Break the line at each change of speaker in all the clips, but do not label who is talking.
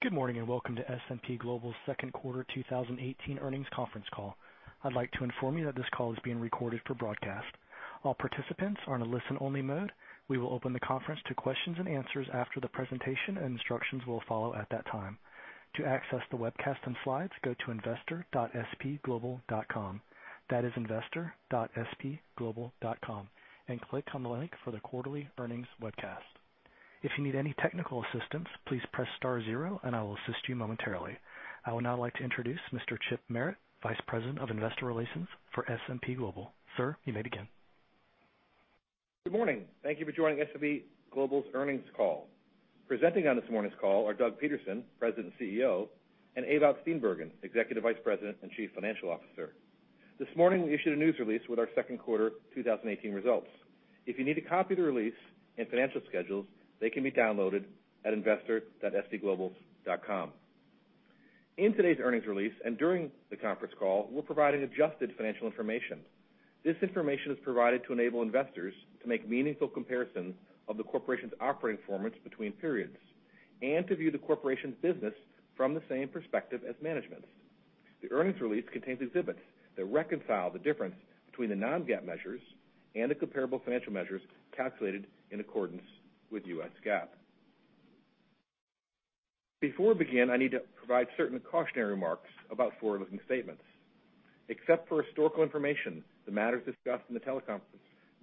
Good morning, welcome to S&P Global's second quarter 2018 earnings conference call. I'd like to inform you that this call is being recorded for broadcast. All participants are in a listen-only mode. We will open the conference to questions and answers after the presentation, and instructions will follow at that time. To access the webcast and slides, go to investor.spglobal.com. That is investor.spglobal.com, and click on the link for the quarterly earnings webcast. If you need any technical assistance, please press star zero and I will assist you momentarily. I would now like to introduce Mr. Chip Merritt, Vice President of Investor Relations for S&P Global. Sir, you may begin.
Good morning. Thank you for joining S&P Global's earnings call. Presenting on this morning's call are Douglas Peterson, President and CEO, and Ewout Steenbergen, Executive Vice President and Chief Financial Officer. This morning, we issued a news release with our second quarter 2018 results. If you need a copy of the release and financial schedules, they can be downloaded at investor.spglobal.com. In today's earnings release and during the conference call, we're providing adjusted financial information. This information is provided to enable investors to make meaningful comparisons of the corporation's operating performance between periods and to view the corporation's business from the same perspective as management. The earnings release contains exhibits that reconcile the difference between the non-GAAP measures and the comparable financial measures calculated in accordance with US GAAP. Before we begin, I need to provide certain cautionary remarks about forward-looking statements. Except for historical information, the matters discussed in the teleconference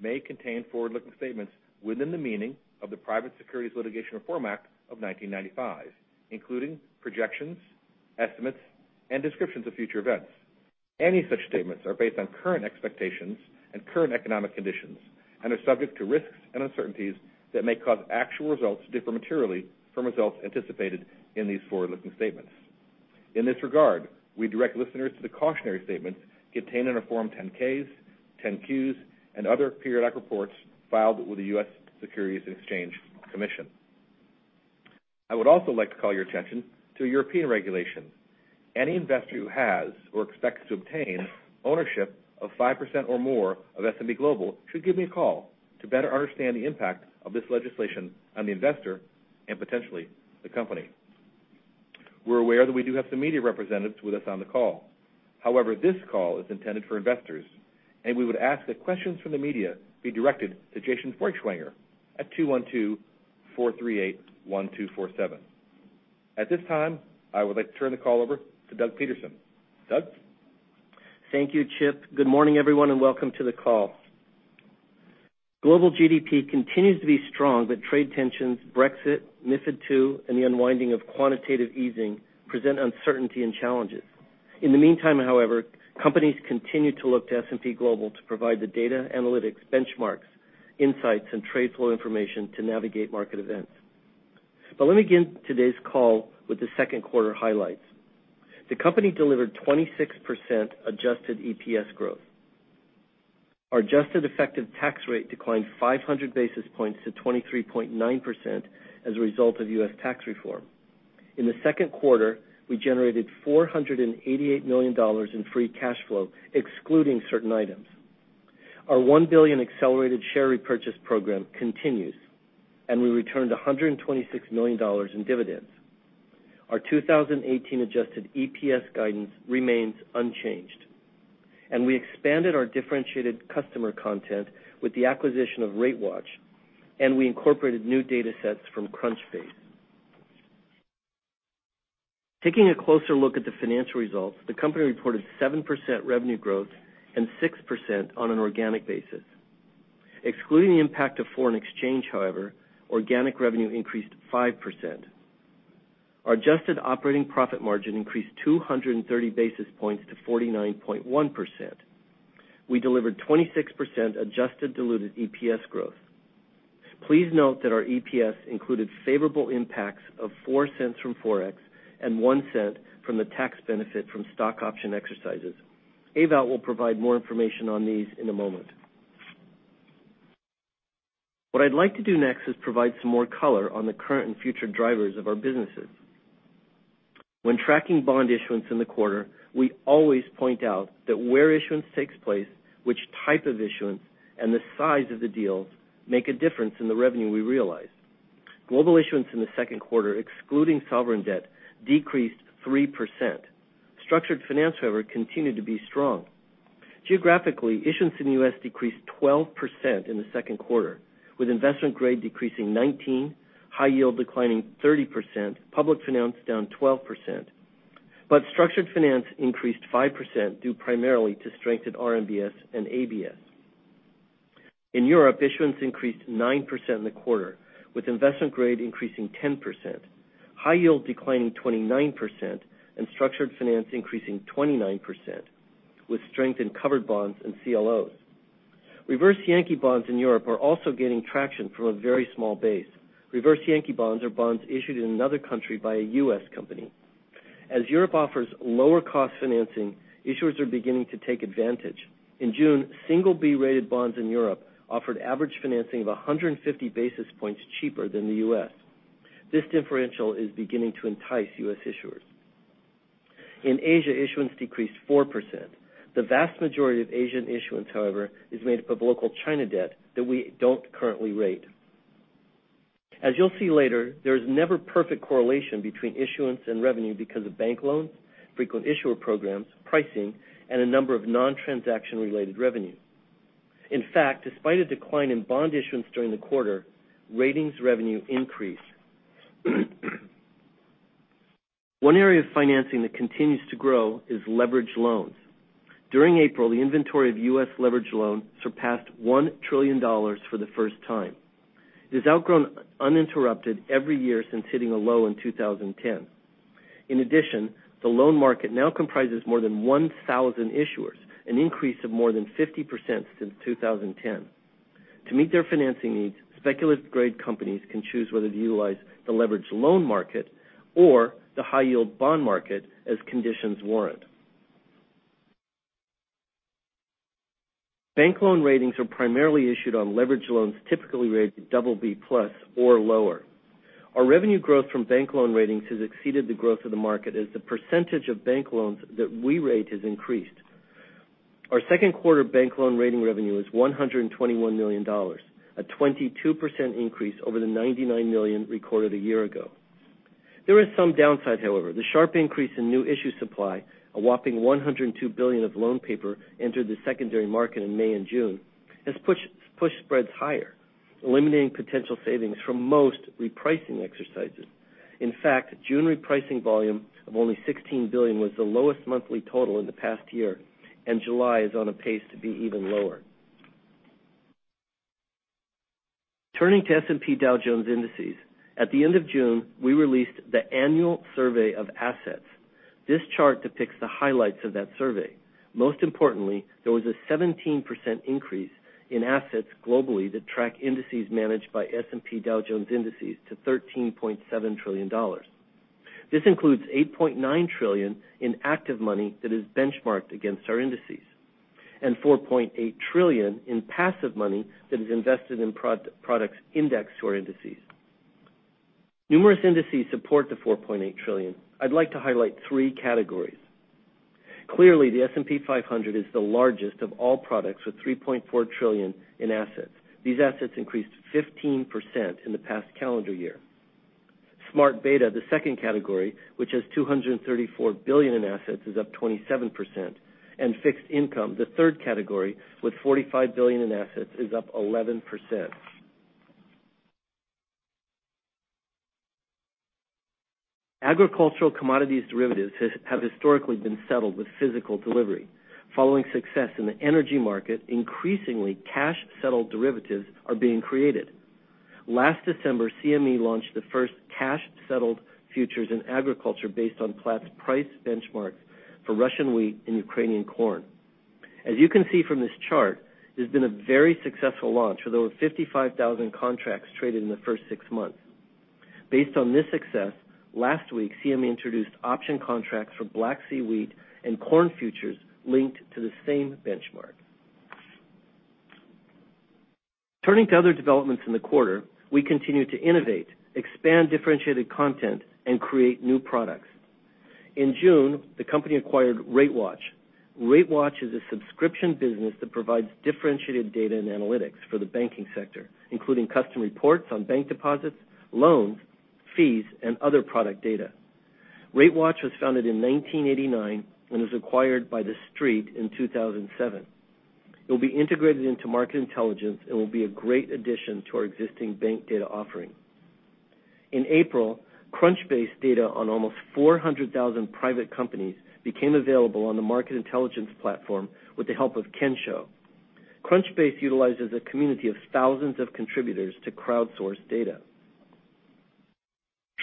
may contain forward-looking statements within the meaning of the Private Securities Litigation Reform Act of 1995, including projections, estimates, and descriptions of future events. Any such statements are based on current expectations and current economic conditions and are subject to risks and uncertainties that may cause actual results to differ materially from results anticipated in these forward-looking statements. In this regard, we direct listeners to the cautionary statements contained in our Form 10-Ks, 10-Qs, and other periodic reports filed with the U.S. Securities and Exchange Commission. I would also like to call your attention to European regulation. Any investor who has or expects to obtain ownership of 5% or more of S&P Global should give me a call to better understand the impact of this legislation on the investor and potentially the company. We're aware that we do have some media representatives with us on the call. This call is intended for investors, and we would ask that questions from the media be directed to Jason Zweig at 212-438-1247. At this time, I would like to turn the call over to Douglas Peterson. Doug?
Thank you, Chip. Good morning, everyone, and welcome to the call. Global GDP continues to be strong, but trade tensions, Brexit, MiFID II, and the unwinding of quantitative easing present uncertainty and challenges. In the meantime, however, companies continue to look to S&P Global to provide the data, analytics, benchmarks, insights, and trade flow information to navigate market events. Let me begin today's call with the second quarter highlights. The company delivered 26% adjusted EPS growth. Our adjusted effective tax rate declined 500 basis points to 23.9% as a result of U.S. tax reform. In the second quarter, we generated $488 million in free cash flow, excluding certain items. Our $1 billion accelerated share repurchase program continues, and we returned $126 million in dividends. Our 2018 adjusted EPS guidance remains unchanged, and we expanded our differentiated customer content with the acquisition of RateWatch, and we incorporated new datasets from Crunchbase. Taking a closer look at the financial results, the company reported 7% revenue growth and 6% on an organic basis. Excluding the impact of foreign exchange, however, organic revenue increased 5%. Our adjusted operating profit margin increased 230 basis points to 49.1%. We delivered 26% adjusted diluted EPS growth. Please note that our EPS included favorable impacts of $0.04 from forex and $0.01 from the tax benefit from stock option exercises. Ewout will provide more information on these in a moment. What I'd like to do next is provide some more color on the current and future drivers of our businesses. When tracking bond issuance in the quarter, we always point out that where issuance takes place, which type of issuance, and the size of the deals make a difference in the revenue we realize. Global issuance in the second quarter, excluding sovereign debt, decreased 3%. Structured finance, however, continued to be strong. Geographically, issuance in the U.S. decreased 12% in the second quarter, with investment grade decreasing 19%, high yield declining 30%, public finance down 12%, but structured finance increased 5% due primarily to strength in RMBS and ABS. In Europe, issuance increased 9% in the quarter, with investment grade increasing 10%, high yield declining 29%, and structured finance increasing 29%, with strength in covered bonds and CLOs. Reverse Yankee bonds in Europe are also gaining traction from a very small base. Reverse Yankee bonds are bonds issued in another country by a U.S. company. As Europe offers lower cost financing, issuers are beginning to take advantage. In June, single B-rated bonds in Europe offered average financing of 150 basis points cheaper than the U.S. This differential is beginning to entice U.S. issuers. In Asia, issuance decreased 4%. The vast majority of Asian issuance, however, is made up of local China debt that we don't currently rate. As you'll see later, there is never perfect correlation between issuance and revenue because of bank loans, frequent issuer programs, pricing, and a number of non-transaction related revenue. In fact, despite a decline in bond issuance during the quarter, ratings revenue increased. One area of financing that continues to grow is leverage loans. During April, the inventory of U.S. leverage loans surpassed $1 trillion for the first time. It has outgrown uninterrupted every year since hitting a low in 2010. In addition, the loan market now comprises more than 1,000 issuers, an increase of more than 50% since 2010. To meet their financing needs, speculative grade companies can choose whether to utilize the leverage loan market or the high yield bond market as conditions warrant. Bank loan ratings are primarily issued on leverage loans typically rated BB+ or lower. Our revenue growth from bank loan ratings has exceeded the growth of the market as the percentage of bank loans that we rate has increased. Our second quarter bank loan rating revenue is $121 million, a 22% increase over the $99 million recorded a year ago. There is some downside, however. The sharp increase in new issue supply, a whopping $102 billion of loan paper entered the secondary market in May and June, has pushed spreads higher, eliminating potential savings from most repricing exercises. In fact, June repricing volume of only $16 billion was the lowest monthly total in the past year, and July is on a pace to be even lower. Turning to S&P Dow Jones Indices. At the end of June, we released the annual survey of assets. This chart depicts the highlights of that survey. Most importantly, there was a 17% increase in assets globally that track indices managed by S&P Dow Jones Indices to $13.7 trillion. This includes $8.9 trillion in active money that is benchmarked against our indices, and $4.8 trillion in passive money that is invested in products indexed to our indices. Numerous indices support the $4.8 trillion. I'd like to highlight three categories. Clearly, the S&P 500 is the largest of all products with $3.4 trillion in assets. These assets increased 15% in the past calendar year. Smart Beta, the second category, which has $234 billion in assets, is up 27%. Fixed income, the third category, with $45 billion in assets, is up 11%. Agricultural commodities derivatives have historically been settled with physical delivery. Following success in the energy market, increasingly, cash settled derivatives are being created. Last December, CME launched the first cash settled futures in agriculture based on Platts price benchmarks for Russian wheat and Ukrainian corn. As you can see from this chart, it has been a very successful launch, with over 55,000 contracts traded in the first six months. Based on this success, last week, CME introduced option contracts for Black Sea wheat and corn futures linked to the same benchmark. Turning to other developments in the quarter, we continue to innovate, expand differentiated content, and create new products. In June, the company acquired RateWatch. RateWatch is a subscription business that provides differentiated data and analytics for the banking sector, including custom reports on bank deposits, loans, fees, and other product data. RateWatch was founded in 1989 and was acquired by TheStreet in 2007. It will be integrated into Market Intelligence and will be a great addition to our existing bank data offering. In April, Crunchbase data on almost 400,000 private companies became available on the Market Intelligence platform with the help of Kensho. Crunchbase utilizes a community of thousands of contributors to crowdsource data.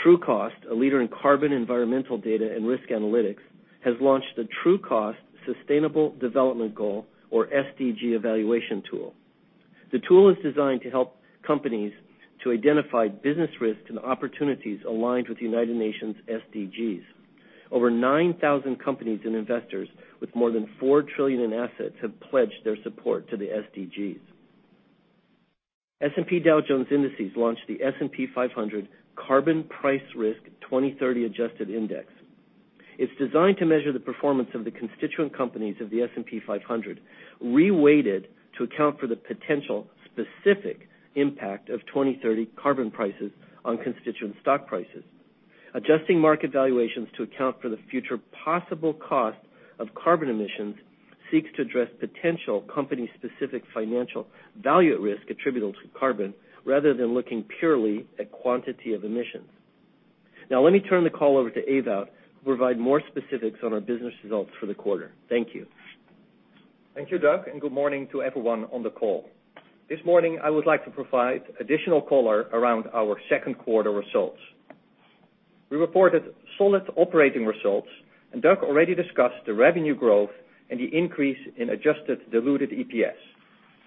Trucost, a leader in carbon environmental data and risk analytics, has launched a Trucost Sustainable Development Goal, or SDG evaluation tool. The tool is designed to help companies to identify business risks and opportunities aligned with United Nations SDGs. Over 9,000 companies and investors with more than $4 trillion in assets have pledged their support to the SDGs. S&P Dow Jones Indices launched the S&P 500 Carbon Price Risk 2030 Adjusted Index. It's designed to measure the performance of the constituent companies of the S&P 500, reweighted to account for the potential specific impact of 2030 carbon prices on constituent stock prices. Adjusting market valuations to account for the future possible cost of carbon emissions seeks to address potential company specific financial value at risk attributable to carbon rather than looking purely at quantity of emissions. Let me turn the call over to Ewout, who will provide more specifics on our business results for the quarter. Thank you.
Thank you, Doug. Good morning to everyone on the call. This morning, I would like to provide additional color around our second quarter results. We reported solid operating results. Doug already discussed the revenue growth and the increase in adjusted diluted EPS.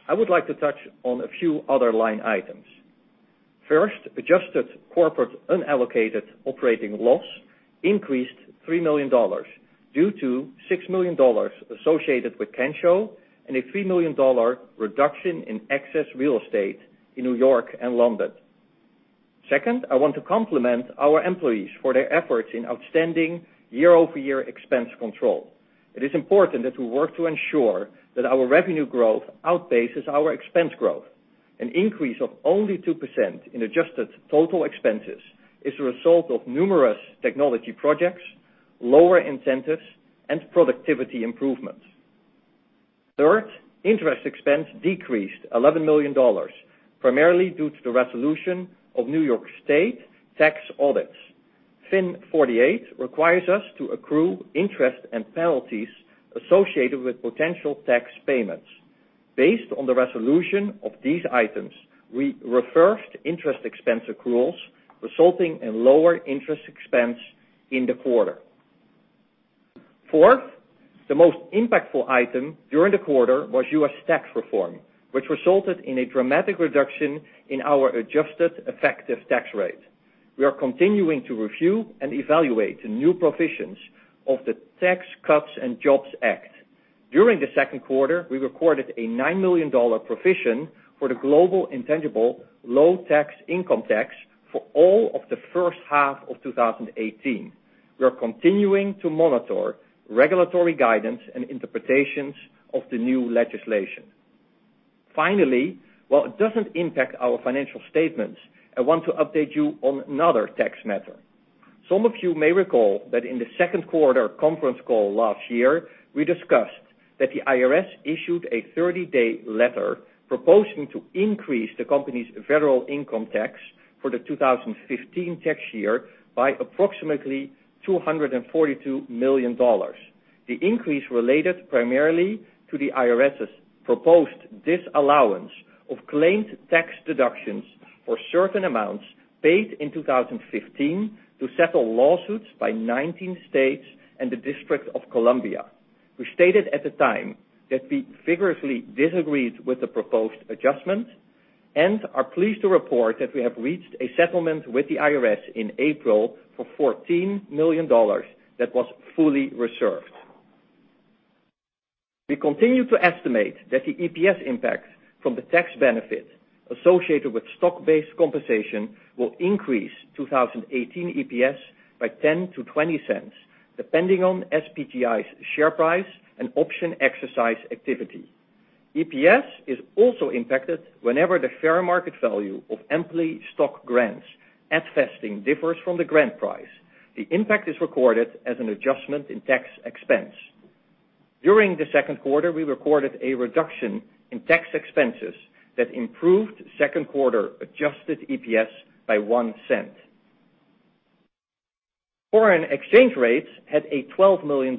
I would like to touch on a few other line items. First, adjusted corporate unallocated operating loss increased $3 million due to $6 million associated with Kensho and a $3 million reduction in excess real estate in N.Y. and London. Second, I want to compliment our employees for their efforts in outstanding year-over-year expense control. It is important that we work to ensure that our revenue growth outpaces our expense growth. An increase of only 2% in adjusted total expenses is a result of numerous technology projects, lower incentives, and productivity improvements. Third, interest expense decreased $11 million, primarily due to the resolution of N.Y. State tax audits. FIN 48 requires us to accrue interest and penalties associated with potential tax payments. Based on the resolution of these items, we reversed interest expense accruals, resulting in lower interest expense in the quarter. Fourth, the most impactful item during the quarter was U.S. tax reform, which resulted in a dramatic reduction in our adjusted effective tax rate. We are continuing to review and evaluate the new provisions of the Tax Cuts and Jobs Act. During the second quarter, we recorded a $9 million provision for the global intangible low tax income tax for all of the first half of 2018. We are continuing to monitor regulatory guidance and interpretations of the new legislation. While it doesn't impact our financial statements, I want to update you on another tax matter. Some of you may recall that in the second quarter conference call last year, we discussed that the IRS issued a 30-day letter proposing to increase the company's federal income tax for the 2015 tax year by approximately $242 million. The increase related primarily to the IRS's proposed disallowance of claimed tax deductions for certain amounts paid in 2015 to settle lawsuits by 19 states and the District of Columbia. We stated at the time that we vigorously disagreed with the proposed adjustment and are pleased to report that we have reached a settlement with the IRS in April for $14 million that was fully reserved. We continue to estimate that the EPS impact from the tax benefit associated with stock-based compensation will increase 2018 EPS by $0.10-$0.20, depending on SPGI's share price and option exercise activity. EPS is also impacted whenever the fair market value of employee stock grants at vesting differs from the grant price. The impact is recorded as an adjustment in tax expense. During the second quarter, we recorded a reduction in tax expenses that improved second quarter adjusted EPS by $0.01. Foreign exchange rates had a $12 million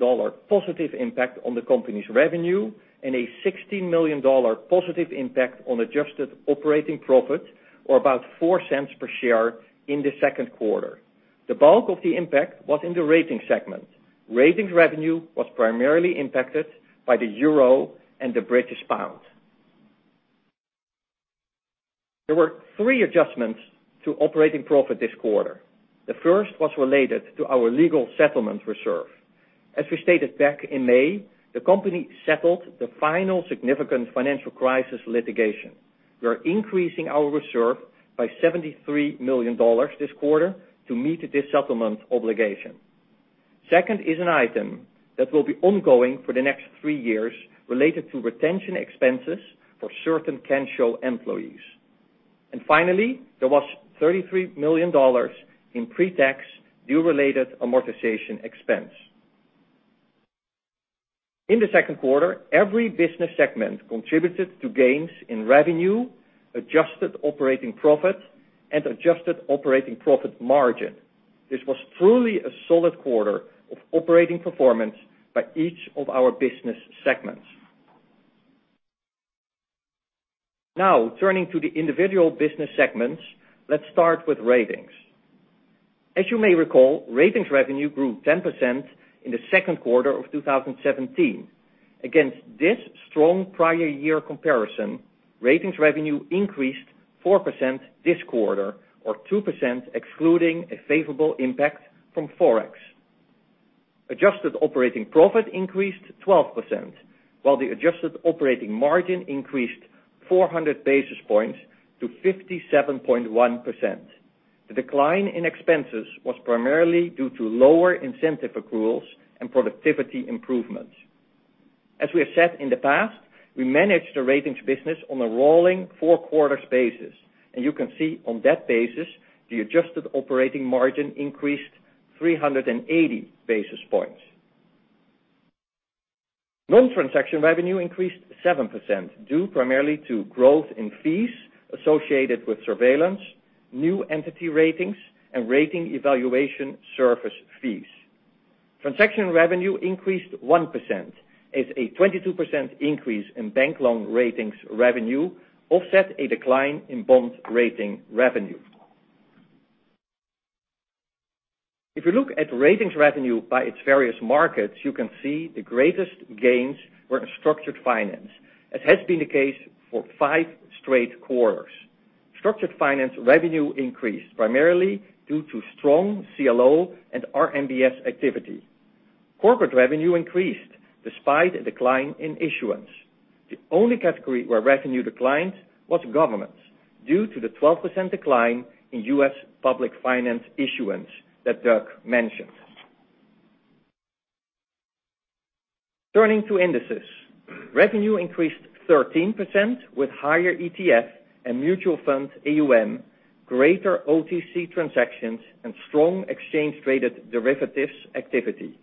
positive impact on the company's revenue and a $16 million positive impact on adjusted operating profit, or about $0.04 per share in the second quarter. The bulk of the impact was in the Ratings segment. Ratings revenue was primarily impacted by the euro and the British pound. There were three adjustments to operating profit this quarter. The first was related to our legal settlement reserve. As we stated back in May, the company settled the final significant financial crisis litigation. We are increasing our reserve by $73 million this quarter to meet this settlement obligation. Second is an item that will be ongoing for the next three years related to retention expenses for certain Kensho employees. Finally, there was $33 million in pre-tax deal-related amortization expense. In the second quarter, every business segment contributed to gains in revenue, adjusted operating profit, and adjusted operating profit margin. This was truly a solid quarter of operating performance by each of our business segments. Now, turning to the individual business segments. Let's start with Ratings. As you may recall, Ratings revenue grew 10% in the second quarter of 2017. Against this strong prior year comparison, Ratings revenue increased 4% this quarter, or 2% excluding a favorable impact from Forex. Adjusted operating profit increased 12%, while the adjusted operating margin increased 400 basis points to 57.1%. The decline in expenses was primarily due to lower incentive accruals and productivity improvements. As we have said in the past, we manage the Ratings business on a rolling four quarters basis, and you can see on that basis, the adjusted operating margin increased 380 basis points. Non-transaction revenue increased 7% due primarily to growth in fees associated with surveillance, new entity ratings, and rating evaluation service fees. Transaction revenue increased 1% as a 22% increase in bank loan Ratings revenue offset a decline in bond Ratings revenue. If you look at Ratings revenue by its various markets, you can see the greatest gains were in structured finance, as has been the case for five straight quarters. Structured finance revenue increased primarily due to strong CLO and RMBS activity. Corporate revenue increased despite a decline in issuance. The only category where revenue declined was government, due to the 12% decline in U.S. public finance issuance that Doug mentioned. Turning to Indices. Revenue increased 13% with higher ETF and mutual fund AUM, greater OTC transactions, and strong exchange-traded derivatives activity.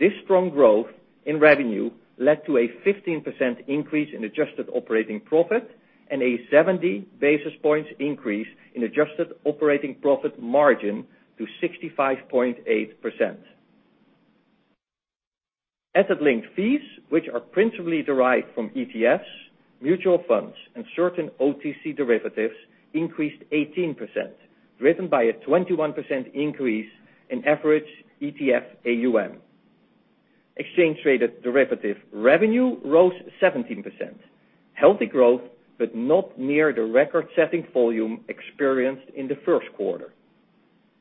This strong growth in revenue led to a 15% increase in adjusted operating profit and a 70 basis points increase in adjusted operating profit margin to 65.8%. Asset link fees, which are principally derived from ETFs, mutual funds, and certain OTC derivatives, increased 18%, driven by a 21% increase in average ETF AUM. Exchange-traded derivative revenue rose 17%. Healthy growth, but not near the record-setting volume experienced in the first quarter.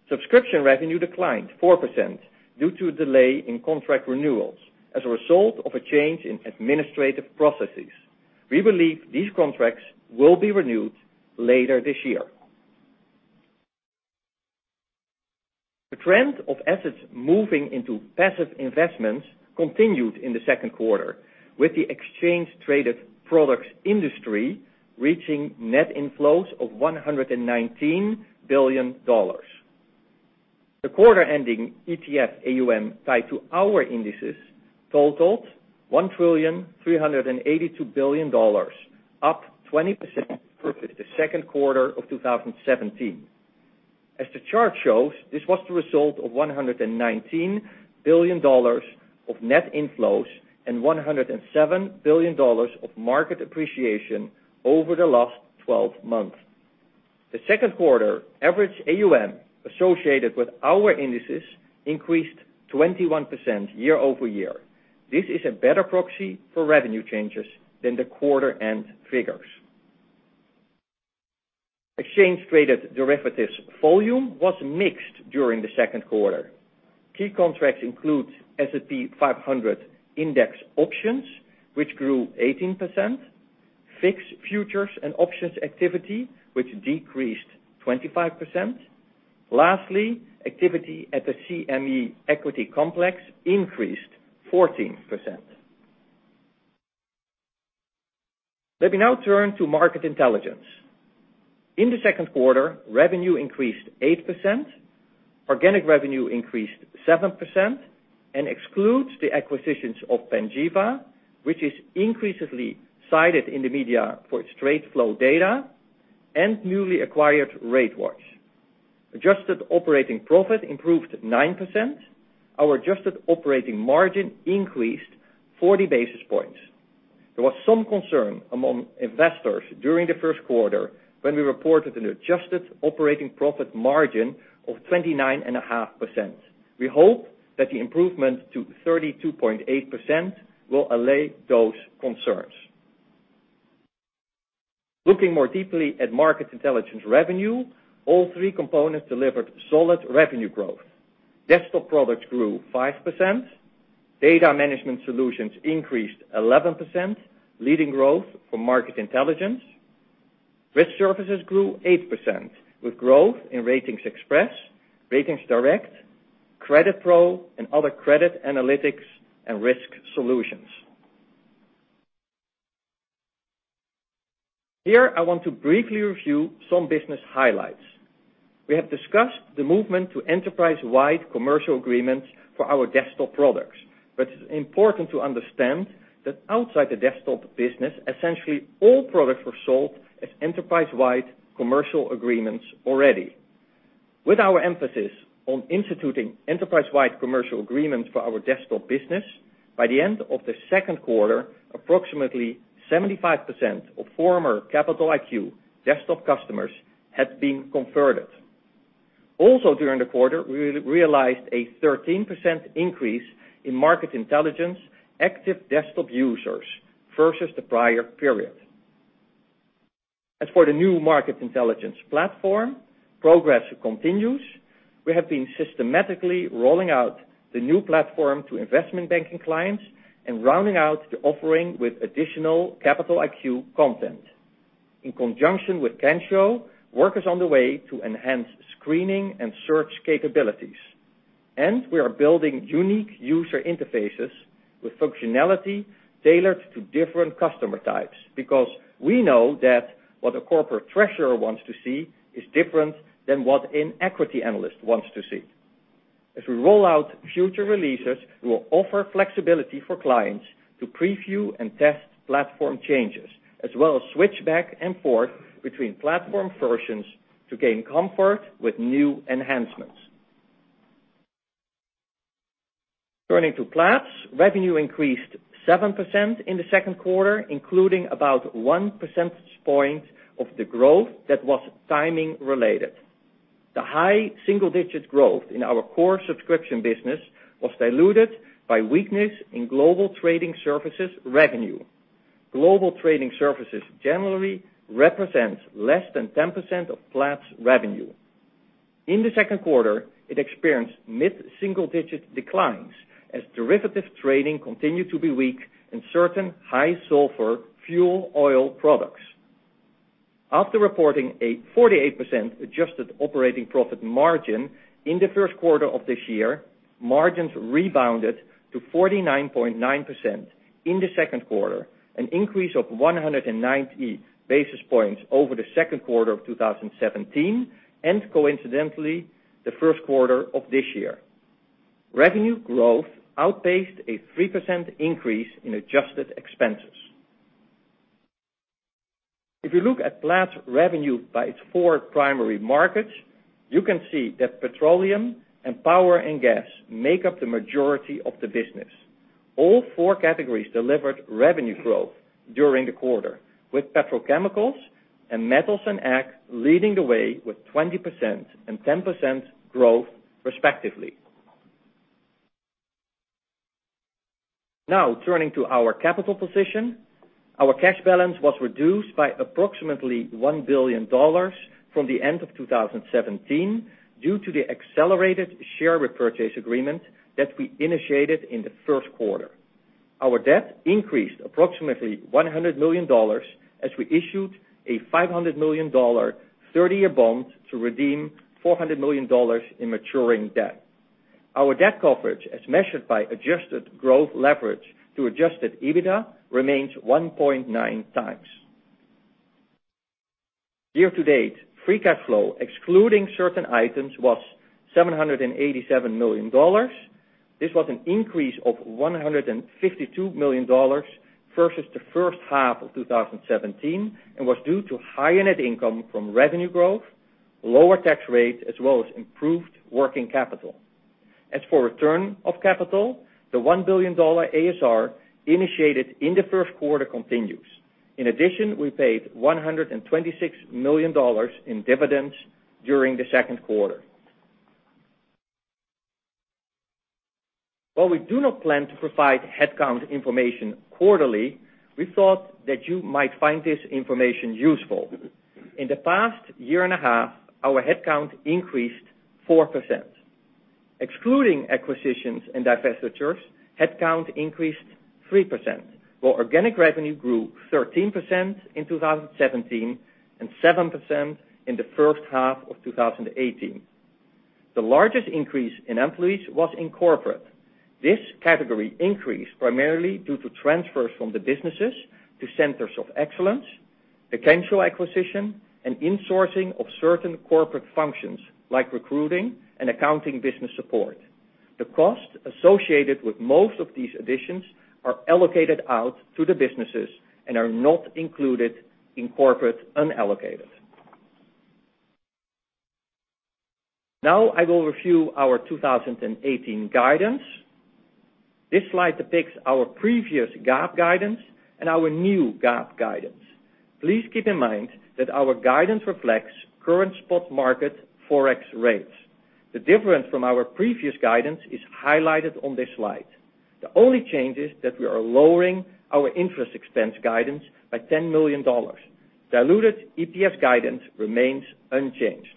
Subscription revenue declined 4% due to a delay in contract renewals as a result of a change in administrative processes. We believe these contracts will be renewed later this year. The trend of assets moving into passive investments continued in the second quarter, with the exchange-traded products industry reaching net inflows of $119 billion. The quarter-ending ETF AUM tied to our indices totaled $1.382 trillion, up 20% versus the second quarter of 2017. As the chart shows, this was the result of $119 billion of net inflows and $107 billion of market appreciation over the last 12 months. The second quarter average AUM associated with our indices increased 21% year-over-year. This is a better proxy for revenue changes than the quarter-end figures. Exchange-traded derivatives volume was mixed during the second quarter. Key contracts include S&P 500 index options, which grew 18%, VIX futures and options activity, which decreased 25%. Lastly, activity at the CME equity complex increased 14%. Let me now turn to Market Intelligence. In the second quarter, revenue increased 8%, organic revenue increased 7% and excludes the acquisitions of Panjiva, which is increasingly cited in the media for its trade flow data and newly acquired RateWatch. Adjusted operating profit improved 9%. Our adjusted operating margin increased 40 basis points. There was some concern among investors during the first quarter when we reported an adjusted operating profit margin of 29.5%. We hope that the improvement to 32.8% will allay those concerns. Looking more deeply at Market Intelligence revenue, all three components delivered solid revenue growth. Desktop products grew 5%. Data management solutions increased 11%, leading growth for Market Intelligence. Risk services grew 8%, with growth in RatingsXpress, RatingsDirect, CreditPro, and other credit analytics and risk solutions. Here, I want to briefly review some business highlights. We have discussed the movement to enterprise-wide commercial agreements for our desktop products, but it's important to understand that outside the desktop business, essentially all products were sold as enterprise-wide commercial agreements already. With our emphasis on instituting enterprise-wide commercial agreements for our desktop business, by the end of the second quarter, approximately 75% of former Capital IQ desktop customers had been converted. Also during the quarter, we realized a 13% increase in Market Intelligence active desktop users versus the prior period. As for the new Market Intelligence platform, progress continues. We have been systematically rolling out the new platform to investment banking clients and rounding out the offering with additional Capital IQ content. In conjunction with Kensho, work is on the way to enhance screening and search capabilities. We are building unique user interfaces with functionality tailored to different customer types. We know that what a corporate treasurer wants to see is different than what an equity analyst wants to see. As we roll out future releases, we will offer flexibility for clients to preview and test platform changes, as well as switch back and forth between platform versions to gain comfort with new enhancements. Turning to Platts, revenue increased 7% in the second quarter, including about one percentage point of the growth that was timing-related. The high single-digit growth in our core subscription business was diluted by weakness in Global Trading Services revenue. Global Trading Services generally represents less than 10% of Platts revenue. In the second quarter, it experienced mid-single-digit declines as derivative trading continued to be weak in certain high sulfur fuel oil products. After reporting a 48% adjusted operating profit margin in the first quarter of this year, margins rebounded to 49.9% in the second quarter, an increase of 190 basis points over the second quarter of 2017 and coincidentally, the first quarter of this year. Revenue growth outpaced a 3% increase in adjusted expenses. If you look at Platts revenue by its 4 primary markets, you can see that petroleum and power and gas make up the majority of the business. All 4 categories delivered revenue growth during the quarter, with petrochemicals and metals and ag leading the way with 20% and 10% growth respectively. Turning to our capital position. Our cash balance was reduced by approximately $1 billion from the end of 2017 due to the accelerated share repurchase agreement that we initiated in the first quarter. Our debt increased approximately $100 million as we issued a $500 million 30-year bond to redeem $400 million in maturing debt. Our debt coverage, as measured by adjusted growth leverage to adjusted EBITDA, remains 1.9 times. Year-to-date, free cash flow excluding certain items was $787 million. This was an increase of $152 million versus the first half of 2017 and was due to higher net income from revenue growth, lower tax rate, as well as improved working capital. As for return of capital, the $1 billion ASR initiated in the first quarter continues. In addition, we paid $126 million in dividends during the second quarter. While we do not plan to provide headcount information quarterly, we thought that you might find this information useful. In the past year and a half, our headcount increased 4%. Excluding acquisitions and divestitures, headcount increased 3%, while organic revenue grew 13% in 2017 and 7% in the first half of 2018. The largest increase in employees was in corporate. This category increased primarily due to transfers from the businesses to centers of excellence, potential acquisition, and insourcing of certain corporate functions like recruiting and accounting business support. The cost associated with most of these additions are allocated out to the businesses and are not included in corporate unallocated. I will review our 2018 guidance. This slide depicts our previous GAAP guidance and our new GAAP guidance. Please keep in mind that our guidance reflects current spot market Forex rates. The difference from our previous guidance is highlighted on this slide. The only change is that we are lowering our interest expense guidance by $10 million. Diluted EPS guidance remains unchanged.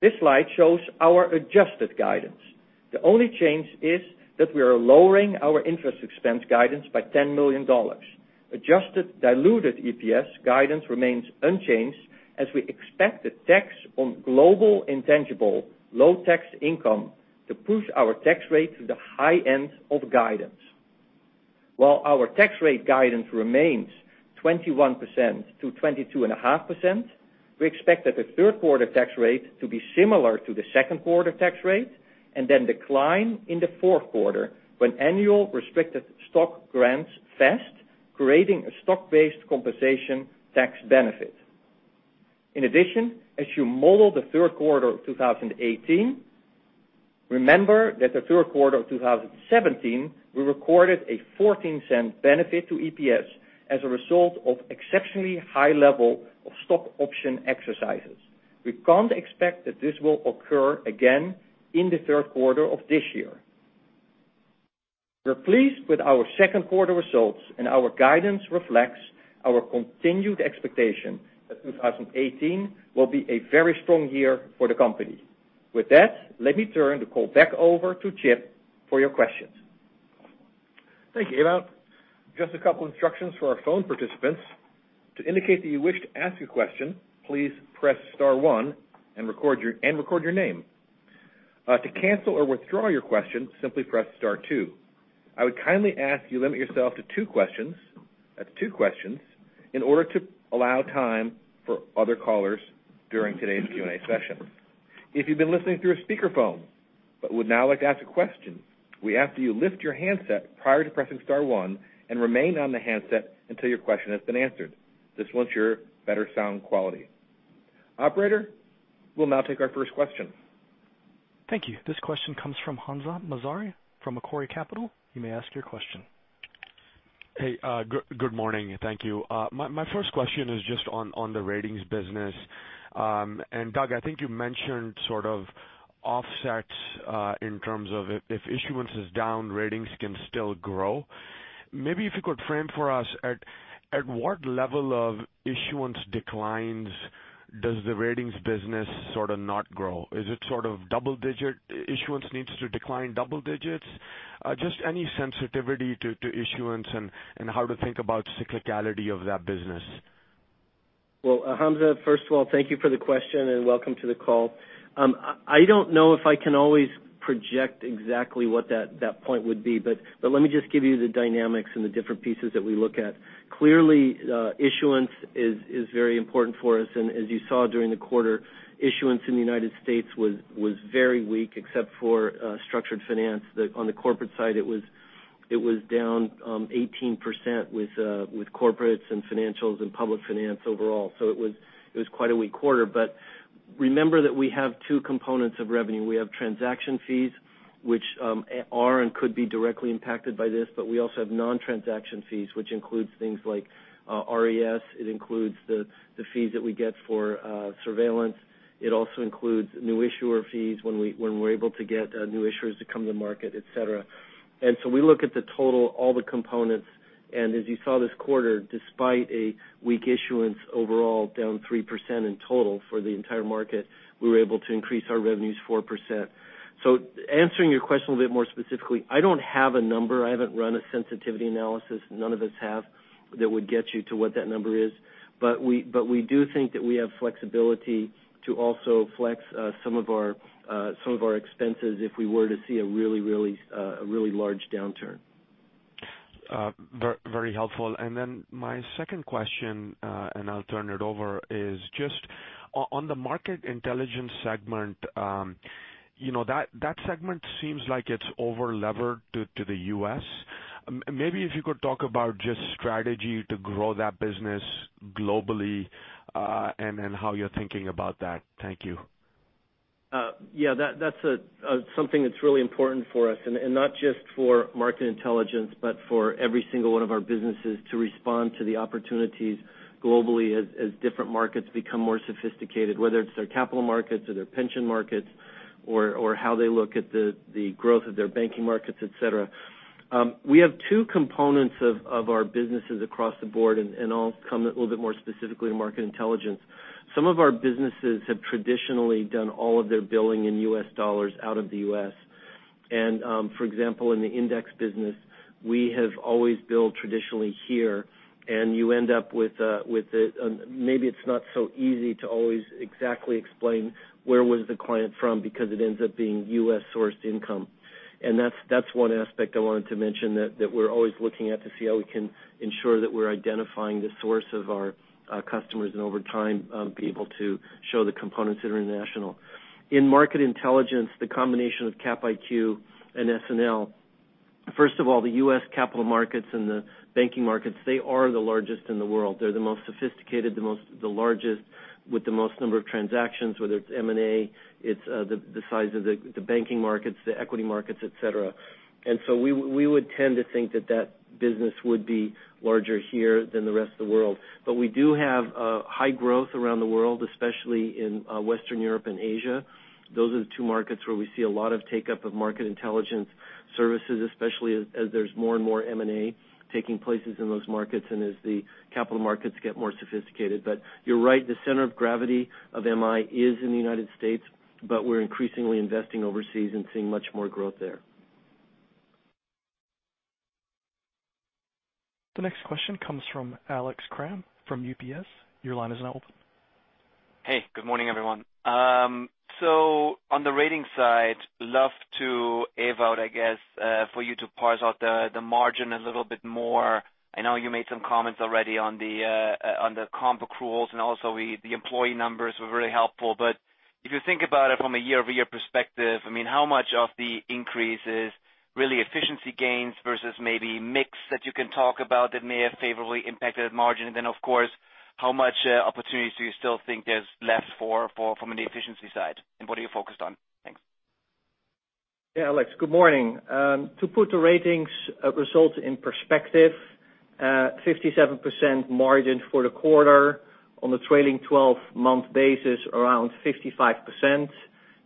This slide shows our adjusted guidance. The only change is that we are lowering our interest expense guidance by $10 million. Adjusted diluted EPS guidance remains unchanged as we expect the tax on Global Intangible Low-Taxed Income to push our tax rate to the high end of guidance. While our tax rate guidance remains 21%-22.5%, we expect that the third quarter tax rate to be similar to the second quarter tax rate and then decline in the fourth quarter when annual restricted stock grants vest, creating a stock-based compensation tax benefit. In addition, as you model the third quarter of 2018, remember that the third quarter of 2017, we recorded a $0.14 benefit to EPS as a result of exceptionally high level of stock option exercises. We can't expect that this will occur again in the third quarter of this year. We're pleased with our second quarter results, and our guidance reflects our continued expectation that 2018 will be a very strong year for the company. With that, let me turn the call back over to Chip for your questions.
Thank you, Ewout. Just a couple instructions for our phone participants. To indicate that you wish to ask a question, please press star one and record your name. To cancel or withdraw your question, simply press star two. I would kindly ask you limit yourself to two questions. That's two questions, in order to allow time for other callers during today's Q&A session. If you've been listening through a speakerphone but would now like to ask a question, we ask that you lift your handset prior to pressing star one and remain on the handset until your question has been answered. This will ensure better sound quality. Operator, we'll now take our first question.
Thank you. This question comes from Hamza Mazari, from Macquarie Capital. You may ask your question.
Hey, good morning. Thank you. My first question is just on the ratings business. Doug, I think you mentioned sort of Offsets in terms of if issuance is down, ratings can still grow. Maybe if you could frame for us at what level of issuance declines does the ratings business sort of not grow? Is it sort of issuance needs to decline double digits? Just any sensitivity to issuance and how to think about cyclicality of that business.
Well, Hamza, first of all, thank you for the question, and welcome to the call. I don't know if I can always project exactly what that point would be, but let me just give you the dynamics and the different pieces that we look at. Clearly, issuance is very important for us, as you saw during the quarter, issuance in the U.S. was very weak, except for structured finance. On the corporate side, it was down 18% with corporates and financials and public finance overall. It was quite a weak quarter, but remember that we have two components of revenue. We have transaction fees, which are and could be directly impacted by this, but we also have non-transaction fees, which includes things like RES. It includes the fees that we get for surveillance. It also includes new issuer fees when we're able to get new issuers to come to the market, et cetera. We look at the total, all the components, as you saw this quarter, despite a weak issuance overall, down 3% in total for the entire market, we were able to increase our revenues 4%. Answering your question a little bit more specifically, I don't have a number. I haven't run a sensitivity analysis. None of us have that would get you to what that number is. We do think that we have flexibility to also flex some of our expenses if we were to see a really large downturn.
Very helpful. My second question, and I'll turn it over, is just on the Market Intelligence segment. That segment seems like it's over-levered to the U.S. Maybe if you could talk about just strategy to grow that business globally, and then how you're thinking about that. Thank you.
Yeah, that's something that's really important for us and not just for Market Intelligence, but for every single one of our businesses to respond to the opportunities globally as different markets become more sophisticated, whether it's their capital markets or their pension markets or how they look at the growth of their banking markets, et cetera. We have two components of our businesses across the board, and I'll come a little bit more specifically to Market Intelligence. Some of our businesses have traditionally done all of their billing in U.S. dollars out of the U.S. For example, in the index business, we have always billed traditionally here, and you end up with Maybe it's not so easy to always exactly explain where was the client from because it ends up being U.S.-sourced income. That's one aspect I wanted to mention that we're always looking at to see how we can ensure that we're identifying the source of our customers, and over time, be able to show the components that are international. In Market Intelligence, the combination of CapIQ and SNL. The U.S. capital markets and the banking markets, they are the largest in the world. They're the most sophisticated, the largest with the most number of transactions, whether it's M&A, it's the size of the banking markets, the equity markets, et cetera. We would tend to think that that business would be larger here than the rest of the world. But we do have high growth around the world, especially in Western Europe and Asia. Those are the 2 markets where we see a lot of take-up of Market Intelligence services, especially as there's more and more M&A taking place in those markets and as the capital markets get more sophisticated. You're right, the center of gravity of MI is in the United States, but we're increasingly investing overseas and seeing much more growth there.
The next question comes from Alex Kramm from UBS. Your line is now open.
Hey, good morning, everyone. On the ratings side, love to Ewout, I guess, for you to parse out the margin a little bit more. I know you made some comments already on the comp accruals, and also the employee numbers were really helpful. If you think about it from a year-over-year perspective, how much of the increase is really efficiency gains versus maybe mix that you can talk about that may have favorably impacted margin? Of course, how much opportunities do you still think there's left from an efficiency side? What are you focused on? Thanks.
Alex, good morning. To put the ratings results in perspective, 57% margin for the quarter. On the trailing 12-month basis, around 55%.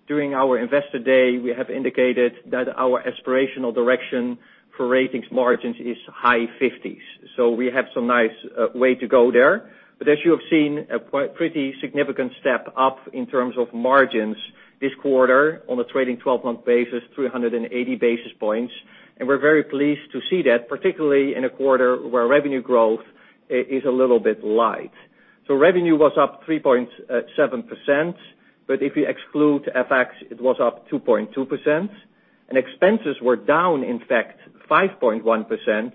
During our investor day, we have indicated that our aspirational direction for ratings margins is high 50s. We have some nice way to go there. As you have seen, a pretty significant step up in terms of margins this quarter on a trailing 12-month basis, 380 basis points. We're very pleased to see that, particularly in a quarter where revenue growth is a little bit light. Revenue was up 3.7%, but if you exclude FX, it was up 2.2%. Expenses were down, in fact, 5.1%,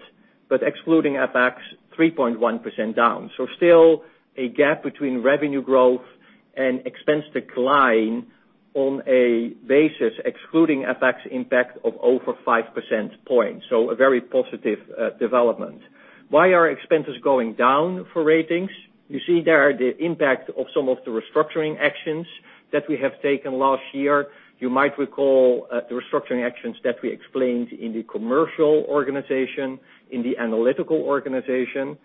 but excluding FX, 3.1% down. Still a gap between revenue growth and expense decline on a basis excluding FX impact of over five percent points. A very positive development. Why are expenses going down for ratings? You see there the impact of some of the restructuring actions that we have taken last year. You might recall the restructuring actions that we explained in the commercial organization, in the analytical organization.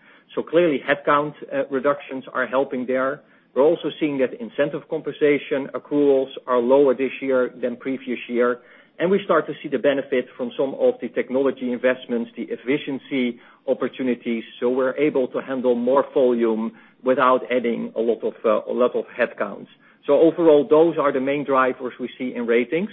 Clearly, headcount reductions are helping there. We're also seeing that incentive compensation accruals are lower this year than previous year, and we start to see the benefit from some of the technology investments, the efficiency opportunities, so we're able to handle more volume without adding a lot of headcounts. Overall, those are the main drivers we see in ratings,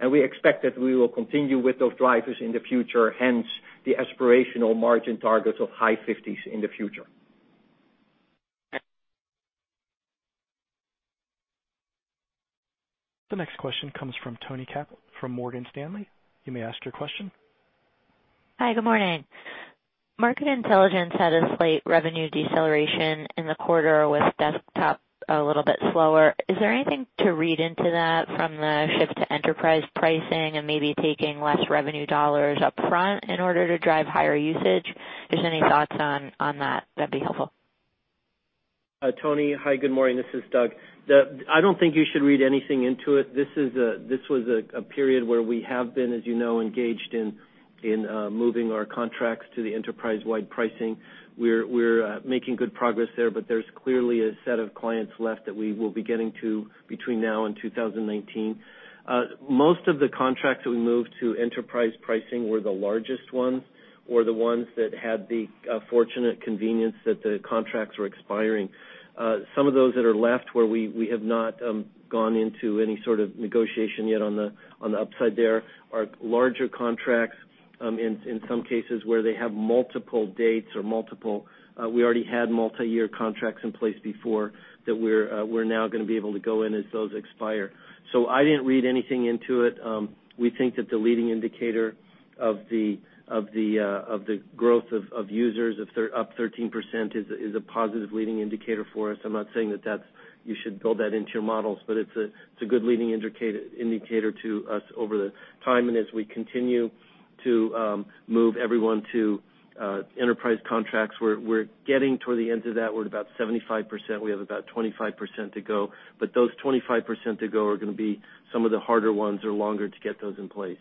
and we expect that we will continue with those drivers in the future, hence the aspirational margin targets of high 50s in the future.
The next question comes from Toni Kaplan from Morgan Stanley. You may ask your question.
Hi, good morning. Market Intelligence had a slight revenue deceleration in the quarter with desktop a little bit slower. Is there anything to read into that from the shift to enterprise pricing and maybe taking less revenue dollars up front in order to drive higher usage? If there's any thoughts on that'd be helpful.
Toni, hi. Good morning. This is Doug. I don't think you should read anything into it. This was a period where we have been, as you know, engaged in moving our contracts to the enterprise-wide pricing. We're making good progress there, but there's clearly a set of clients left that we will be getting to between now and 2019. Most of the contracts that we moved to enterprise pricing were the largest ones, or the ones that had the fortunate convenience that the contracts were expiring. Some of those that are left, where we have not gone into any sort of negotiation yet on the upside there are larger contracts, in some cases, where they have multiple dates or we already had multi-year contracts in place before that we're now going to be able to go in as those expire. I didn't read anything into it. We think that the leading indicator of the growth of users, up 13%, is a positive leading indicator for us. I'm not saying that you should build that into your models, but it's a good leading indicator to us over the time. As we continue to move everyone to enterprise contracts, we're getting toward the end of that. We're at about 75%. We have about 25% to go. Those 25% to go are going to be some of the harder ones or longer to get those in place.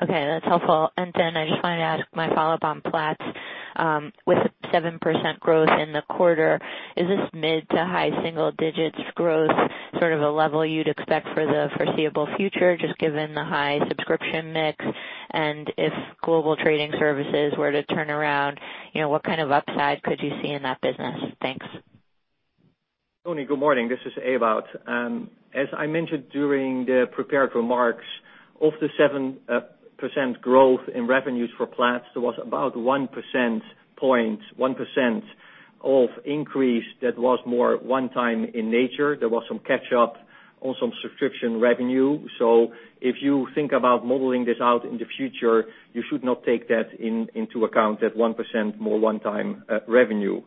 Okay, that's helpful. I just wanted to ask my follow-up on Platts. With 7% growth in the quarter, is this mid to high single digits growth sort of a level you'd expect for the foreseeable future, just given the high subscription mix? If Global Trading Services were to turn around, what kind of upside could you see in that business? Thanks.
Toni, good morning. This is Ewout. As I mentioned during the prepared remarks, of the 7% growth in revenues for Platts, there was about 1% of increase that was more one time in nature. There was some catch up on some subscription revenue. If you think about modeling this out in the future, you should not take that into account, that 1% more one time revenue.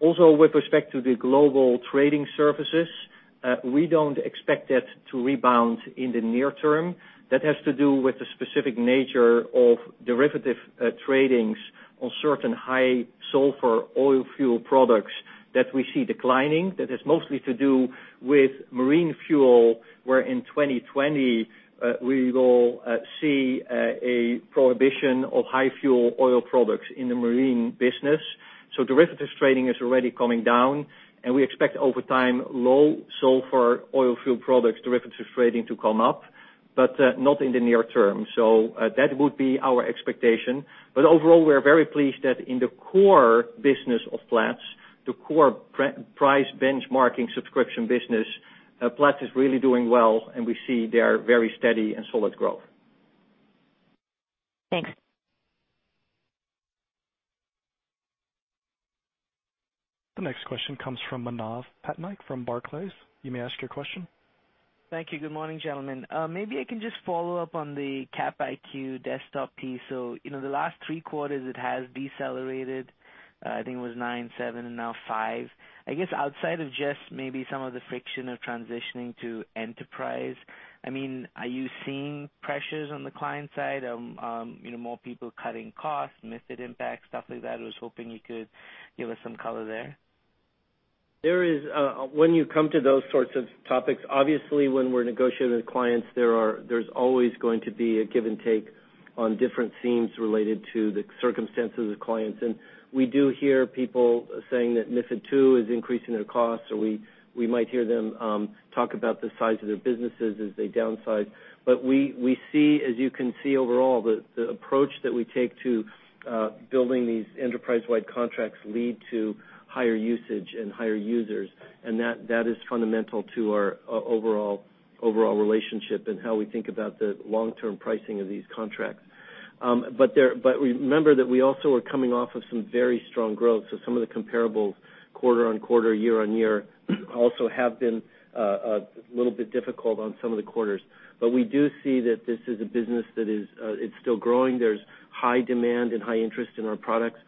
Also, with respect to the Global Trading Services, we don't expect that to rebound in the near term. That has to do with the specific nature of derivative tradings on certain high sulfur oil fuel products that we see declining. That is mostly to do with marine fuel, where in 2020, we will see a prohibition of high fuel oil products in the marine business. Derivatives trading is already coming down, we expect over time, low sulfur oil fuel products derivatives trading to come up, but not in the near term. That would be our expectation. Overall, we're very pleased that in the core business of Platts, the core price benchmarking subscription business, Platts is really doing well, and we see their very steady and solid growth.
Thanks.
The next question comes from Manav Patnaik from Barclays. You may ask your question.
Thank you. Good morning, gentlemen. Maybe I can just follow up on the CapIQ desktop piece. The last three quarters it has decelerated, I think it was nine, seven, and now five. I guess, outside of just maybe some of the friction of transitioning to enterprise, are you seeing pressures on the client side, more people cutting costs, MiFID impact, stuff like that? I was hoping you could give us some color there.
When you come to those sorts of topics, obviously when we're negotiating with clients, there's always going to be a give and take on different themes related to the circumstances of clients. We do hear people saying that MiFID II is increasing their costs, or we might hear them talk about the size of their businesses as they downsize. As you can see overall, the approach that we take to building these enterprise-wide contracts lead to higher usage and higher users, and that is fundamental to our overall relationship and how we think about the long-term pricing of these contracts. Remember that we also are coming off of some very strong growth. Some of the comparable quarter-on-quarter, year-on-year, also have been a little bit difficult on some of the quarters. We do see that this is a business that is still growing. There's high demand and high interest in our products.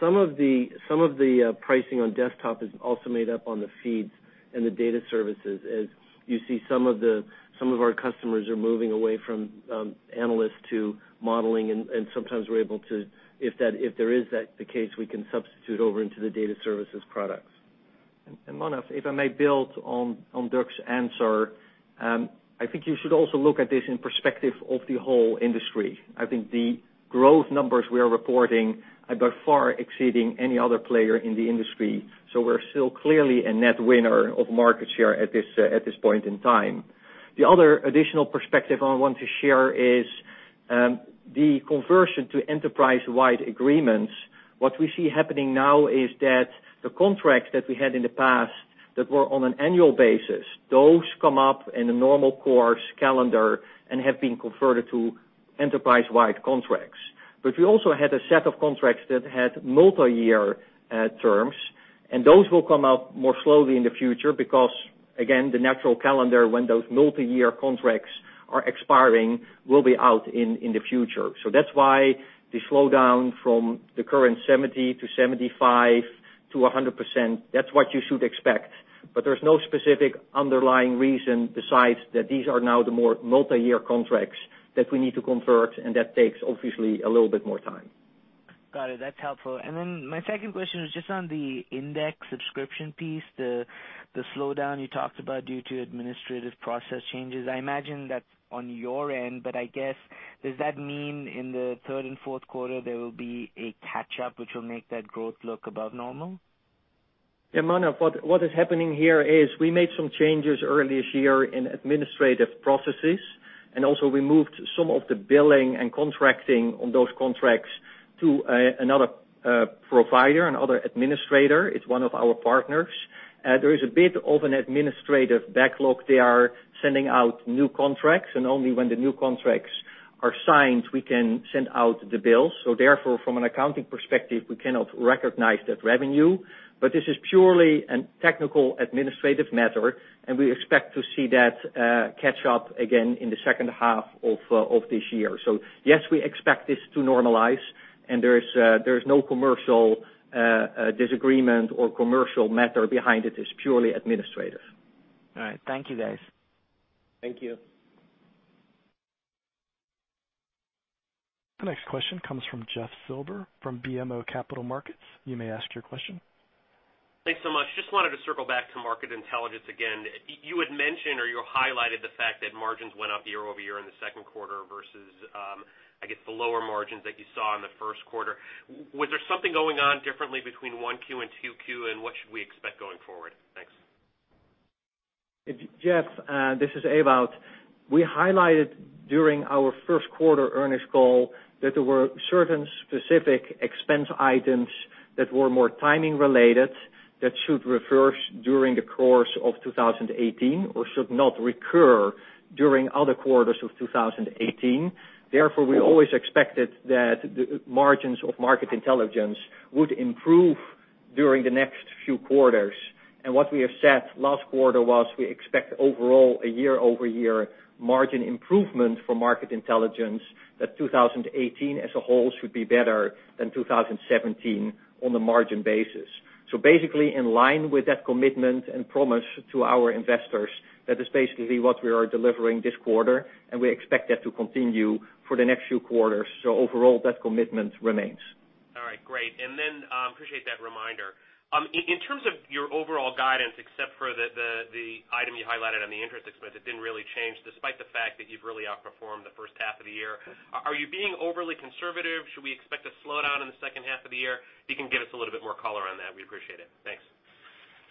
Some of the pricing on desktop is also made up on the feeds and the data services. You see, some of our customers are moving away from analysts to modeling, and sometimes, if there is that the case, we can substitute over into the data services products.
Manav, if I may build on Doug's answer, I think you should also look at this in perspective of the whole industry. I think the growth numbers we are reporting are by far exceeding any other player in the industry, so we're still clearly a net winner of market share at this point in time. The other additional perspective I want to share is the conversion to enterprise-wide agreements. What we see happening now is that the contracts that we had in the past that were on an annual basis, those come up in a normal course calendar and have been converted to enterprise-wide contracts. We also had a set of contracts that had multi-year terms, and those will come out more slowly in the future because, again, the natural calendar, when those multi-year contracts are expiring, will be out in the future. That's why the slowdown from the current 70%-75% to 100%, that's what you should expect. There's no specific underlying reason besides that these are now the more multi-year contracts that we need to convert, and that takes obviously a little bit more time.
Got it. That's helpful. Then my second question is just on the index subscription piece, the slowdown you talked about due to administrative process changes. I imagine that's on your end, but I guess, does that mean in the third and fourth quarter there will be a catch-up, which will make that growth look above normal?
Yeah, Manav, what is happening here is we made some changes early this year in administrative processes, and also we moved some of the billing and contracting on those contracts to another provider, another administrator. It's one of our partners. There is a bit of an administrative backlog. They are sending out new contracts, and only when the new contracts are signed, we can send out the bills. Therefore, from an accounting perspective, we cannot recognize that revenue. This is purely a technical administrative matter, and we expect to see that catch up again in the second half of this year. Yes, we expect this to normalize and there is no commercial disagreement or commercial matter behind it. It's purely administrative.
All right. Thank you guys.
Thank you.
The next question comes from Jeffrey Silber, from BMO Capital Markets. You may ask your question.
Thanks so much. Just wanted to circle back to Market Intelligence again. You had mentioned, or you highlighted the fact that margins went up year-over-year in the second quarter versus, I guess the lower margins that you saw in the first quarter. Was there something going on differently between 1Q and 2Q, and what should we expect going forward? Thanks.
Jeff, this is Ewout. We highlighted during our first quarter earnings call that there were certain specific expense items that were more timing related that should reverse during the course of 2018 or should not recur during other quarters of 2018. We always expected that the margins of Market Intelligence would improve during the next few quarters. What we have said last quarter was, we expect overall a year-over-year margin improvement for Market Intelligence that 2018 as a whole should be better than 2017 on the margin basis. Basically, in line with that commitment and promise to our investors, that is basically what we are delivering this quarter, and we expect that to continue for the next few quarters. Overall, that commitment remains.
All right, great. Appreciate that reminder. In terms of your overall guidance, except for the item you highlighted on the interest expense, it didn't really change despite the fact that you've really outperformed the first half of the year. Are you being overly conservative? Should we expect a slowdown in the second half of the year? If you can give us a little bit more color on that, we'd appreciate it. Thanks.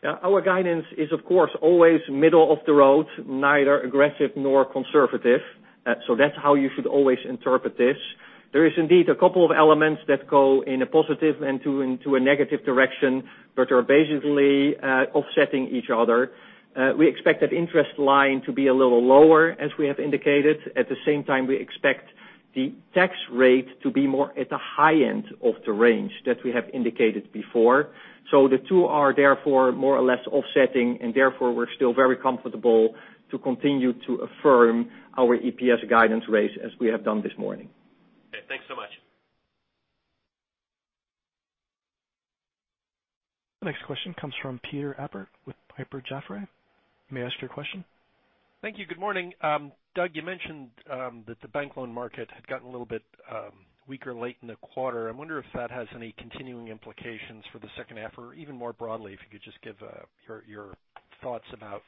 Yeah. Our guidance is, of course, always middle of the road, neither aggressive nor conservative. That's how you should always interpret this. There is indeed a couple of elements that go in a positive and to a negative direction, but are basically offsetting each other. We expect that interest line to be a little lower, as we have indicated. At the same time, we expect the tax rate to be more at the high end of the range that we have indicated before. The two are therefore more or less offsetting, and therefore, we're still very comfortable to continue to affirm our EPS guidance rates as we have done this morning.
Okay. Thanks so much.
The next question comes from Peter Appert with Piper Jaffray. You may ask your question.
Thank you. Good morning. Doug, you mentioned that the bank loan market had gotten a little bit weaker late in the quarter. I wonder if that has any continuing implications for the second half, or even more broadly, if you could just give your thoughts about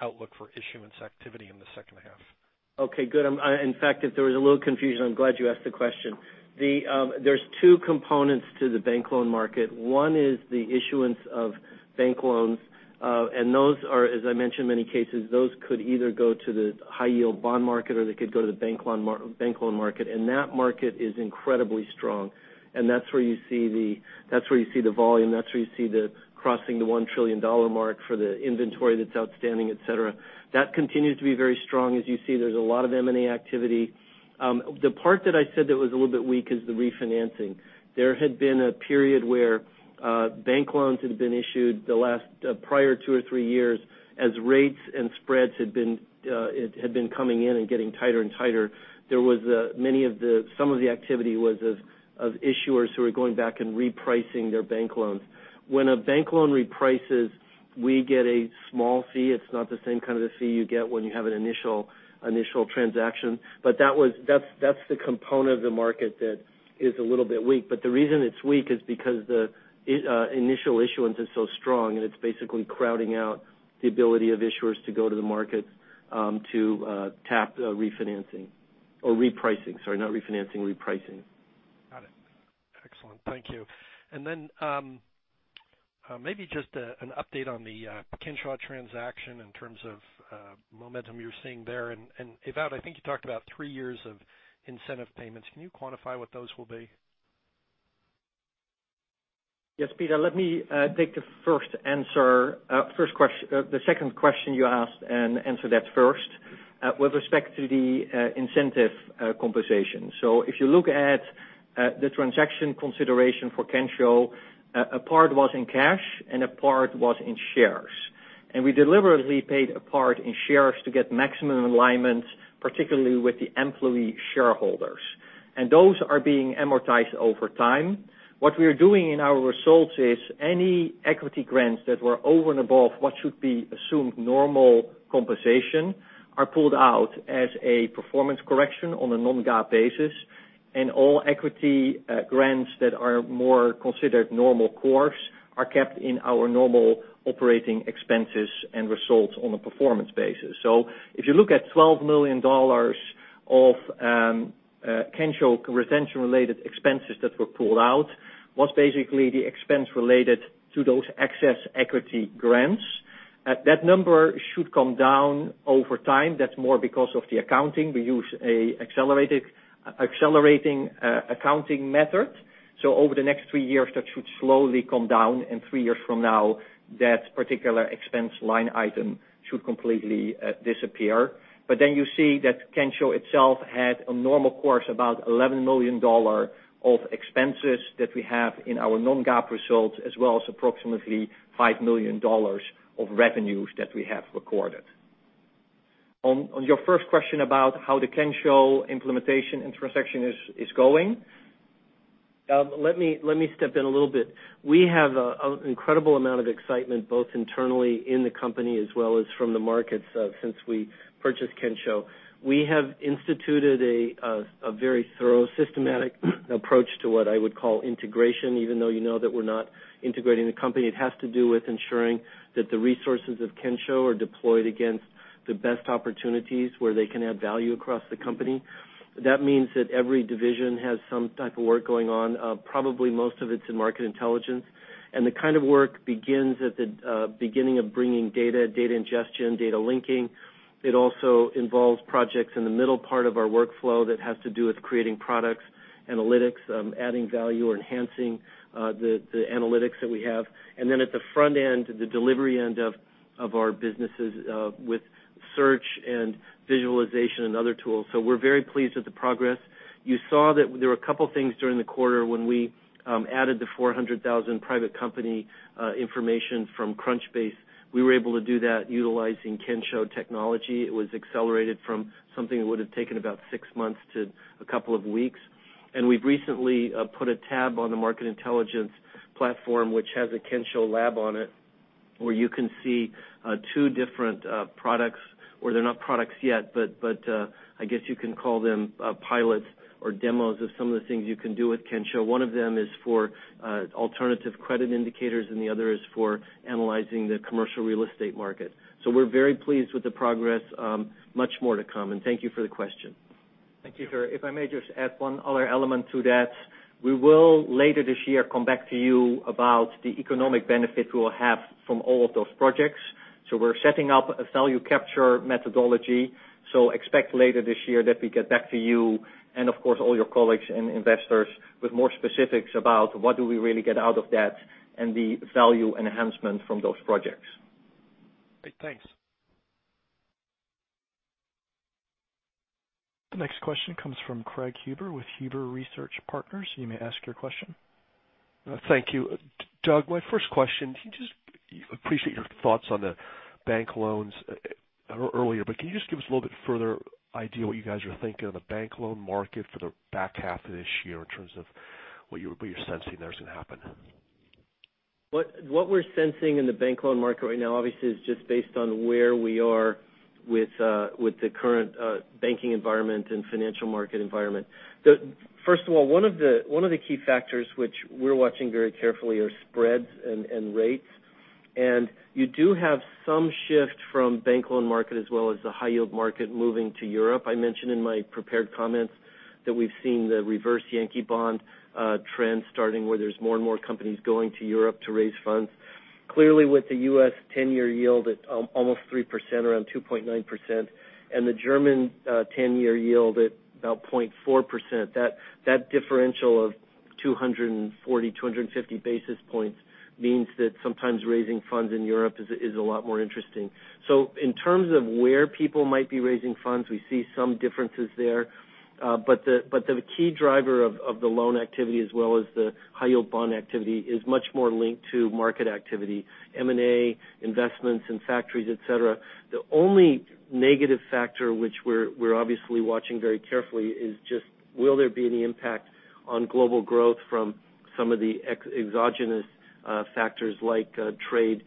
outlook for issuance activity in the second half.
Okay, good. In fact, if there was a little confusion, I'm glad you asked the question. There's two components to the bank loan market. One is the issuance of bank loans. Those are, as I mentioned, many cases, those could either go to the high-yield bond market or they could go to the bank loan market. That market is incredibly strong. That's where you see the volume, that's where you see the crossing the $1 trillion mark for the inventory that's outstanding, et cetera. That continues to be very strong. As you see, there's a lot of M&A activity. The part that I said that was a little bit weak is the refinancing. There had been a period where bank loans had been issued the last prior two or three years as rates and spreads had been coming in and getting tighter and tighter. Some of the activity was of issuers who were going back and repricing their bank loans. When a bank loan reprices, we get a small fee. It's not the same kind of a fee you get when you have an initial transaction. That's the component of the market that is a little bit weak. The reason it's weak is because the initial issuance is so strong, and it's basically crowding out the ability of issuers to go to the market to tap refinancing, or repricing, sorry, not refinancing, repricing.
Got it. Excellent. Thank you. Then, maybe just an update on the Kensho transaction in terms of momentum you're seeing there. Ewout, I think you talked about three years of incentive payments. Can you quantify what those will be?
Yes, Peter, let me take the second question you asked and answer that first with respect to the incentive conversation. If you look at the transaction consideration for Kensho, a part was in cash and a part was in shares. We deliberately paid a part in shares to get maximum alignment, particularly with the employee shareholders. Those are being amortized over time. What we are doing in our results is any equity grants that were over and above what should be assumed normal compensation are pulled out as a performance correction on a non-GAAP basis, and all equity grants that are more considered normal course are kept in our normal operating expenses and results on a performance basis. If you look at $12 million of Kensho retention-related expenses that were pulled out, was basically the expense related to those excess equity grants. That number should come down over time. That's more because of the accounting. We use an accelerating accounting method. Over the next three years, that should slowly come down, and three years from now, that particular expense line item should completely disappear. Then you see that Kensho itself had a normal course, about $11 million of expenses that we have in our non-GAAP results, as well as approximately $5 million of revenues that we have recorded. On your first question about how the Kensho implementation and transaction is going.
Let me step in a little bit. We have an incredible amount of excitement both internally in the company as well as from the markets since we purchased Kensho. We have instituted a very thorough, systematic approach to what I would call integration, even though you know that we're not integrating the company. It has to do with ensuring that the resources of Kensho are deployed against the best opportunities where they can add value across the company. That means that every division has some type of work going on. Probably most of it's in Market Intelligence. The kind of work begins at the beginning of bringing data ingestion, data linking. It also involves projects in the middle part of our workflow that has to do with creating products, analytics, adding value, or enhancing the analytics that we have. At the front end, the delivery end of our businesses, with search and visualization and other tools. We're very pleased with the progress. You saw that there were a couple things during the quarter when we added the 400,000 private company information from Crunchbase. We were able to do that utilizing Kensho technology. It was accelerated from something that would have taken about six months to a couple of weeks. We've recently put a tab on the Market Intelligence platform, which has a Kensho lab on it, where you can see two different products or they're not products yet, but I guess you can call them pilots or demos of some of the things you can do with Kensho. One of them is for alternative credit indicators, and the other is for analyzing the commercial real estate market. We're very pleased with the progress. Much more to come, and thank you for the question.
Thank you, sir. If I may just add one other element to that. We will, later this year, come back to you about the economic benefit we'll have from all of those projects. We're setting up a value capture methodology. Expect later this year that we get back to you and of course, all your colleagues and investors with more specifics about what do we really get out of that and the value enhancement from those projects.
Great. Thanks.
The next question comes from Craig Huber with Huber Research Partners. You may ask your question.
Thank you. Doug, my first question, I appreciate your thoughts on the bank loans earlier, can you just give us a little bit further idea what you guys are thinking on the bank loan market for the back half of this year in terms of what you're sensing there is going to happen?
What we're sensing in the bank loan market right now, obviously, is just based on where we are with the current banking environment and financial market environment. First of all, one of the key factors which we're watching very carefully are spreads and rates. You do have some shift from bank loan market as well as the high-yield market moving to Europe. I mentioned in my prepared comments that we've seen the reverse Yankee bond trend starting, where there's more and more companies going to Europe to raise funds. Clearly, with the U.S. 10-year yield at almost 3%, around 2.9%, and the German 10-year yield at about 0.4%, that differential of 240, 250 basis points means that sometimes raising funds in Europe is a lot more interesting. In terms of where people might be raising funds, we see some differences there. The key driver of the loan activity as well as the high-yield bond activity is much more linked to market activity, M&A, investments in factories, et cetera. The only negative factor, which we're obviously watching very carefully, is just will there be any impact on global growth from some of the exogenous factors like trade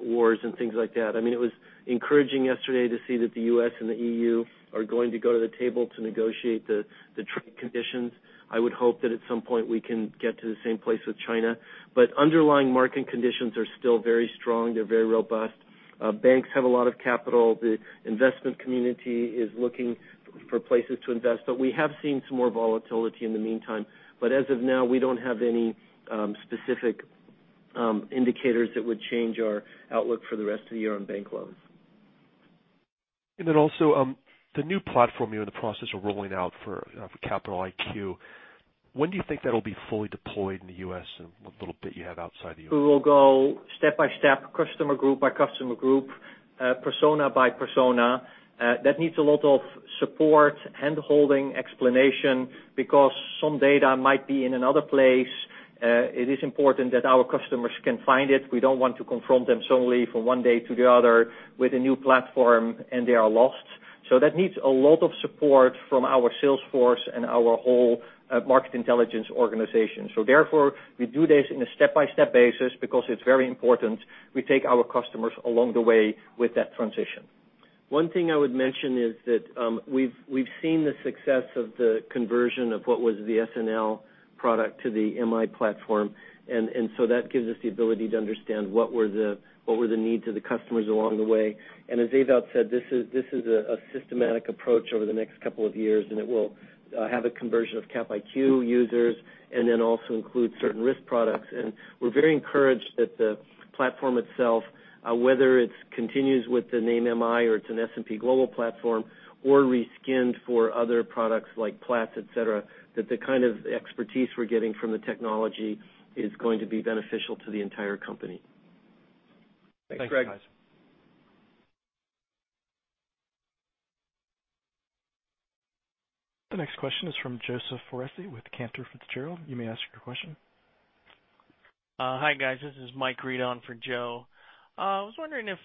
wars and things like that. It was encouraging yesterday to see that the U.S. and the EU are going to go to the table to negotiate the trade conditions. I would hope that at some point we can get to the same place with China. Underlying market conditions are still very strong. They're very robust. Banks have a lot of capital. The investment community is looking for places to invest. We have seen some more volatility in the meantime. As of now, we don't have any specific indicators that would change our outlook for the rest of the year on bank loans.
Also, the new platform you're in the process of rolling out for Capital IQ, when do you think that'll be fully deployed in the U.S. and what little bit you have outside the U.S.?
We will go step by step, customer group by customer group, persona by persona. That needs a lot of support, hand-holding, explanation, because some data might be in another place. It is important that our customers can find it. We don't want to confront them suddenly from one day to the other with a new platform and they are lost. That needs a lot of support from our sales force and our whole Market Intelligence organization. Therefore, we do this in a step-by-step basis because it's very important we take our customers along the way with that transition.
One thing I would mention is that we've seen the success of the conversion of what was the SNL product to the MI platform. That gives us the ability to understand what were the needs of the customers along the way. As Ewout said, this is a systematic approach over the next couple of years, and it will have a conversion of Cap IQ users and then also include certain risk products. We're very encouraged that the platform itself, whether it continues with the name MI or it's an S&P Global platform or re-skinned for other products like Platts, et cetera, that the kind of expertise we're getting from the technology is going to be beneficial to the entire company.
Thanks, guys.
Thanks, Craig.
The next question is from Joseph Foresi with Cantor Fitzgerald. You may ask your question.
Hi, guys. This is Mike Regan for Joe. I was wondering if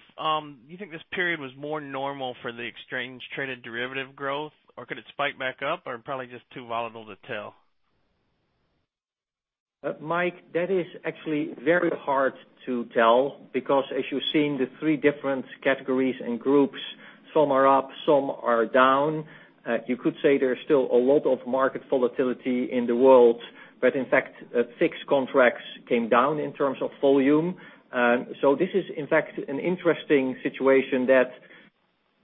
you think this period was more normal for the exchange traded derivative growth, or could it spike back up or probably just too volatile to tell?
Mike, that is actually very hard to tell because as you've seen, the three different categories and groups, some are up, some are down. In fact, fixed contracts came down in terms of volume. This is, in fact, an interesting situation that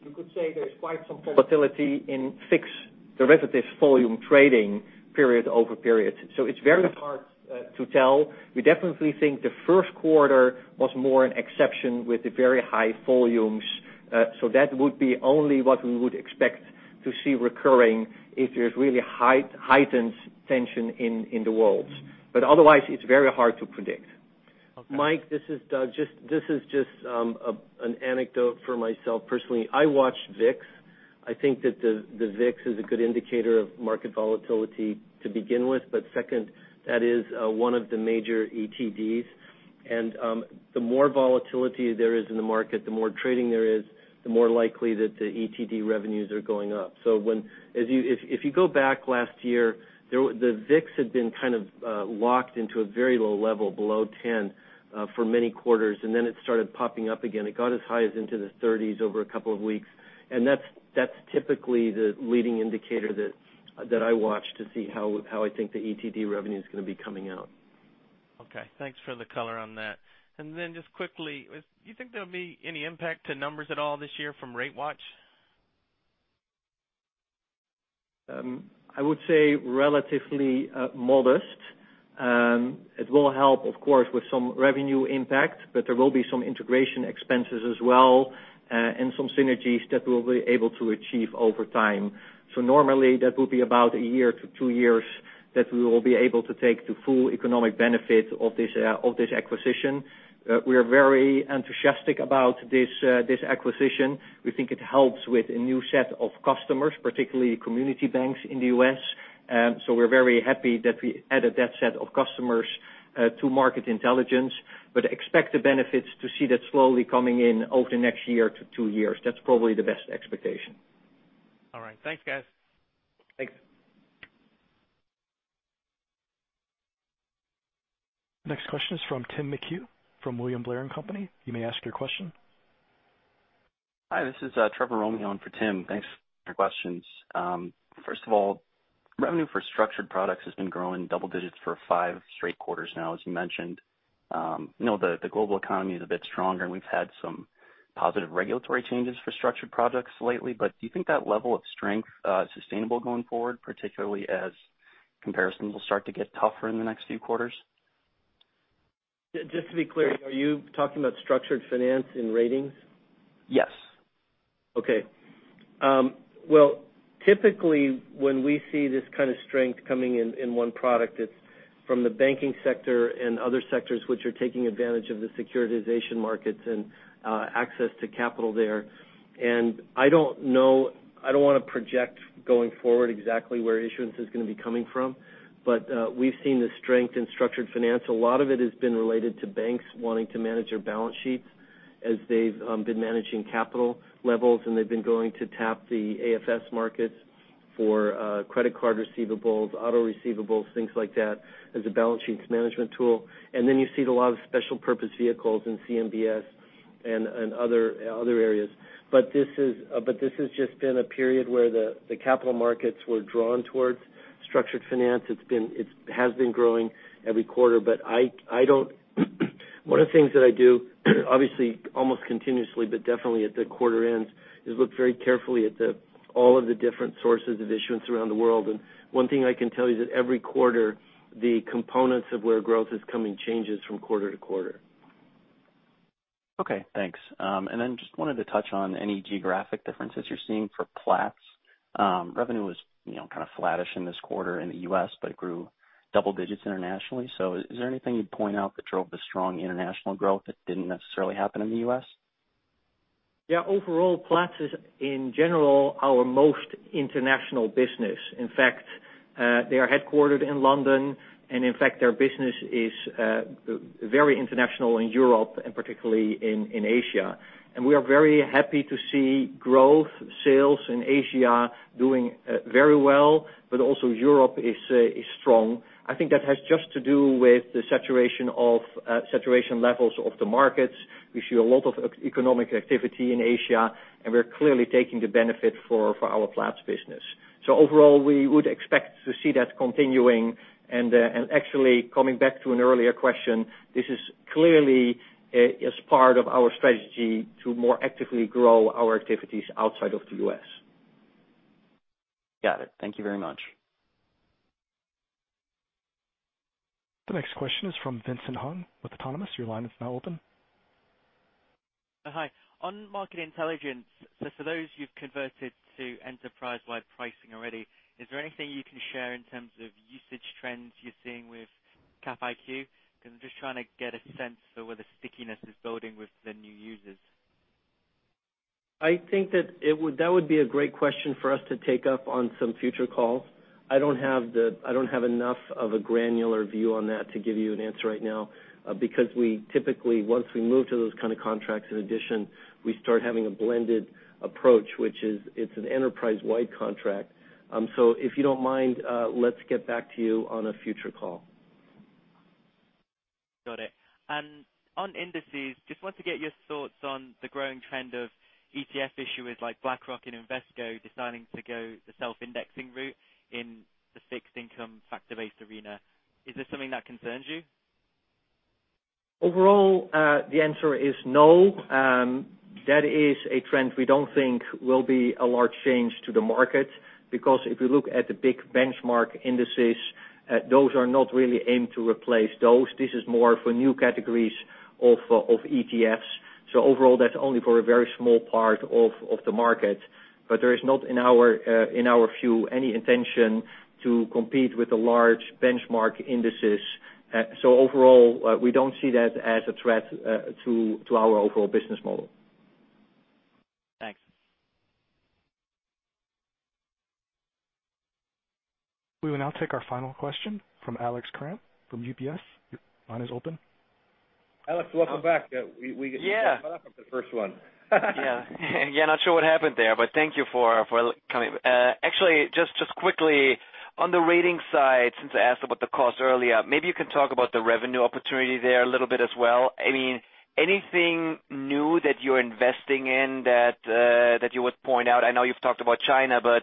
you could say there's quite some volatility in fixed derivatives volume trading period over period. It's very hard to tell. We definitely think the first quarter was more an exception with the very high volumes. That would be only what we would expect to see recurring if there's really heightened tension in the world. Otherwise, it's very hard to predict.
Okay.
Mike, this is Doug. This is just an anecdote for myself personally. I watch VIX. I think that the VIX is a good indicator of market volatility to begin with. Second, that is one of the major ETDs. The more volatility there is in the market, the more trading there is, the more likely that the ETD revenues are going up. If you go back last year, the VIX had been locked into a very low level below 10 for many quarters, and then it started popping up again. It got as high as into the 30s over a couple of weeks. That's typically the leading indicator that I watch to see how I think the ETD revenue is going to be coming out.
Okay. Thanks for the color on that. Just quickly, do you think there'll be any impact to numbers at all this year from RateWatch?
I would say relatively modest. It will help, of course, with some revenue impact, but there will be some integration expenses as well and some synergies that we'll be able to achieve over time. Normally, that will be about one year to two years that we will be able to take the full economic benefit of this acquisition. We are very enthusiastic about this acquisition. We think it helps with a new set of customers, particularly community banks in the U.S. We're very happy that we added that set of customers to Market Intelligence, but expect the benefits to see that slowly coming in over the next one year to two years. That's probably the best expectation.
All right. Thanks, guys.
Thanks.
Next question is from Tim McHugh from William Blair & Company. You may ask your question.
Hi, this is Trevor Romeo in for Tim. Thanks for the questions. First of all, revenue for structured products has been growing double digits for five straight quarters now, as you mentioned. The global economy is a bit stronger, and we've had some positive regulatory changes for structured products lately. Do you think that level of strength is sustainable going forward, particularly as comparisons will start to get tougher in the next few quarters?
Just to be clear, are you talking about structured finance in Ratings?
Yes.
Okay. Well, typically, when we see this kind of strength coming in one product, it's from the banking sector and other sectors which are taking advantage of the securitization markets and access to capital there. I don't want to project going forward exactly where issuance is going to be coming from. We've seen the strength in structured finance. A lot of it has been related to banks wanting to manage their balance sheets as they've been managing capital levels, and they've been going to tap the ABS markets for credit card receivables, auto receivables, things like that, as a balance sheets management tool. Then you see it a lot of special purpose vehicles in CMBS and other areas. This has just been a period where the capital markets were drawn towards structured finance. It has been growing every quarter. One of the things that I do, obviously, almost continuously, but definitely at the quarter ends, is look very carefully at all of the different sources of issuance around the world. One thing I can tell you is that every quarter, the components of where growth is coming changes from quarter to quarter.
Okay, thanks. Then just wanted to touch on any geographic differences you're seeing for Platts. Revenue was kind of flattish in this quarter in the U.S., but it grew double digits internationally. Is there anything you'd point out that drove the strong international growth that didn't necessarily happen in the U.S.?
Yeah, overall, Platts is, in general, our most international business. In fact, they are headquartered in London, and in fact, their business is very international in Europe and particularly in Asia. We are very happy to see growth, sales in Asia doing very well, but also Europe is strong. I think that has just to do with the saturation levels of the markets. We see a lot of economic activity in Asia, and we're clearly taking the benefit for our Platts business. Overall, we would expect to see that continuing, and actually coming back to an earlier question, this is clearly as part of our strategy to more actively grow our activities outside of the U.S.
Got it. Thank you very much.
The next question is from Vincent Hung with Autonomous. Your line is now open.
Hi. On Market Intelligence, for those you've converted to enterprise-wide pricing already, is there anything you can share in terms of usage trends you're seeing with Capital IQ? I'm just trying to get a sense for where the stickiness is building with the new users.
That would be a great question for us to take up on some future call. I don't have enough of a granular view on that to give you an answer right now, because we typically, once we move to those kind of contracts, in addition, we start having a blended approach, which is it's an enterprise-wide contract. If you don't mind, let's get back to you on a future call.
Got it. On indices, just want to get your thoughts on the growing trend of ETF issuers like BlackRock and Invesco deciding to go the self-indexing route in the fixed income factor-based arena. Is this something that concerns you?
Overall, the answer is no. That is a trend we don't think will be a large change to the market because if you look at the big benchmark indices, those are not really aimed to replace those. This is more for new categories of ETFs. Overall, that's only for a very small part of the market. There is not, in our view, any intention to compete with the large benchmark indices. Overall, we don't see that as a threat to our overall business model.
Thanks.
We will now take our final question from Alex Kramm from UBS. Your line is open.
Alex, welcome back.
Yeah.
We got cut off at the first one.
Yeah. Not sure what happened there, but thank you for coming. Actually, just quickly, on the Ratings side, since I asked about the cost earlier, maybe you can talk about the revenue opportunity there a little bit as well. Anything new that you're investing in that you would point out? I know you've talked about China, but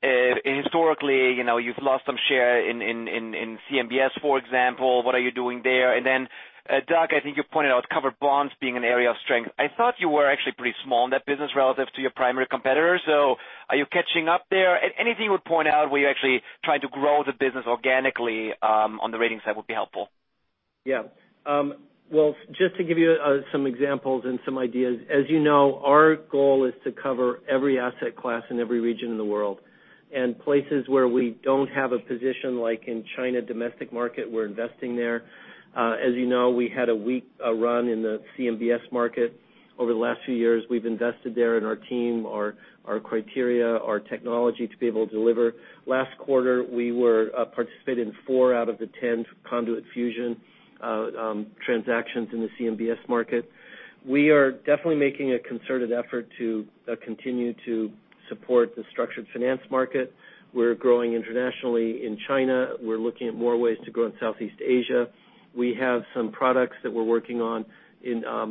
historically, you've lost some share in CMBS, for example. What are you doing there? Doug, I think you pointed out covered bonds being an area of strength. I thought you were actually pretty small in that business relative to your primary competitor. Are you catching up there? Anything you would point out where you're actually trying to grow the business organically on the Ratings side would be helpful.
Yeah. Well, just to give you some examples and some ideas. As you know, our goal is to cover every asset class in every region in the world. Places where we don't have a position, like in China domestic market, we're investing there. As you know, we had a weak run in the CMBS market over the last few years. We've invested there in our team, our criteria, our technology to be able to deliver. Last quarter, we were a participant in four out of the 10 conduit fusion transactions in the CMBS market. We are definitely making a concerted effort to continue to support the structured finance market. We're growing internationally in China. We're looking at more ways to grow in Southeast Asia. We have some products that we're working on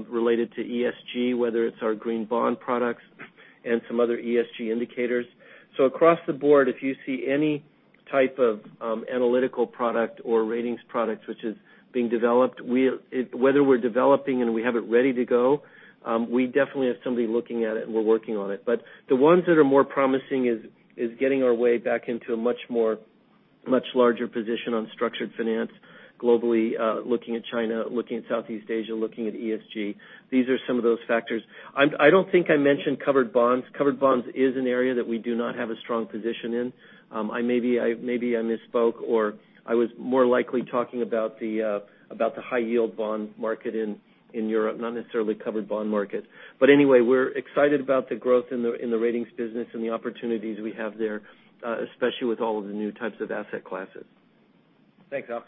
related to ESG, whether it's our green bond products and some other ESG indicators. Across the board, if you see any type of analytical product or ratings product which is being developed, whether we're developing and we have it ready to go, we definitely have somebody looking at it and we're working on it. The ones that are more promising is getting our way back into a much larger position on structured finance globally, looking at China, looking at Southeast Asia, looking at ESG. These are some of those factors. I don't think I mentioned covered bonds. Covered bonds is an area that we do not have a strong position in. Maybe I misspoke, or I was more likely talking about the high-yield bond market in Europe, not necessarily covered bond market. Anyway, we're excited about the growth in the ratings business and the opportunities we have there, especially with all of the new types of asset classes.
Thanks. Great.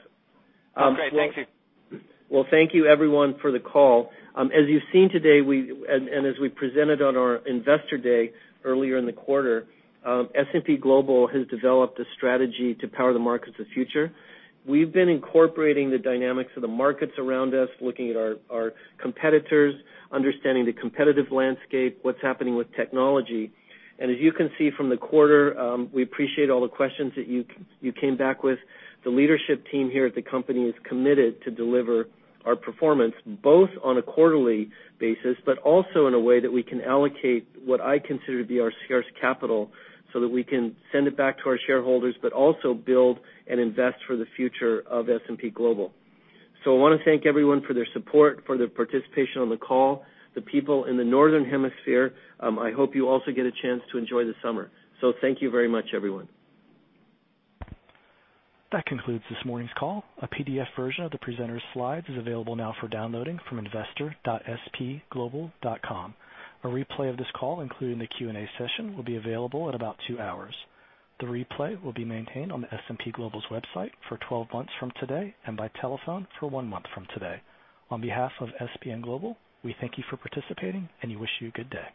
Thank you.
Thank you everyone for the call. As you've seen today, and as we presented on our Investor Day earlier in the quarter, S&P Global has developed a strategy to power the markets of the future. We've been incorporating the dynamics of the markets around us, looking at our competitors, understanding the competitive landscape, what's happening with technology. As you can see from the quarter, we appreciate all the questions that you came back with. The leadership team here at the company is committed to deliver our performance, both on a quarterly basis, but also in a way that we can allocate what I consider to be our scarce capital so that we can send it back to our shareholders, but also build and invest for the future of S&P Global. I want to thank everyone for their support, for their participation on the call. The people in the northern hemisphere, I hope you also get a chance to enjoy the summer. Thank you very much, everyone.
That concludes this morning's call. A PDF version of the presenters' slides is available now for downloading from investor.spglobal.com. A replay of this call, including the Q&A session, will be available in about two hours. The replay will be maintained on S&P Global's website for 12 months from today, and by telephone for one month from today. On behalf of S&P Global, we thank you for participating. We wish you a good day.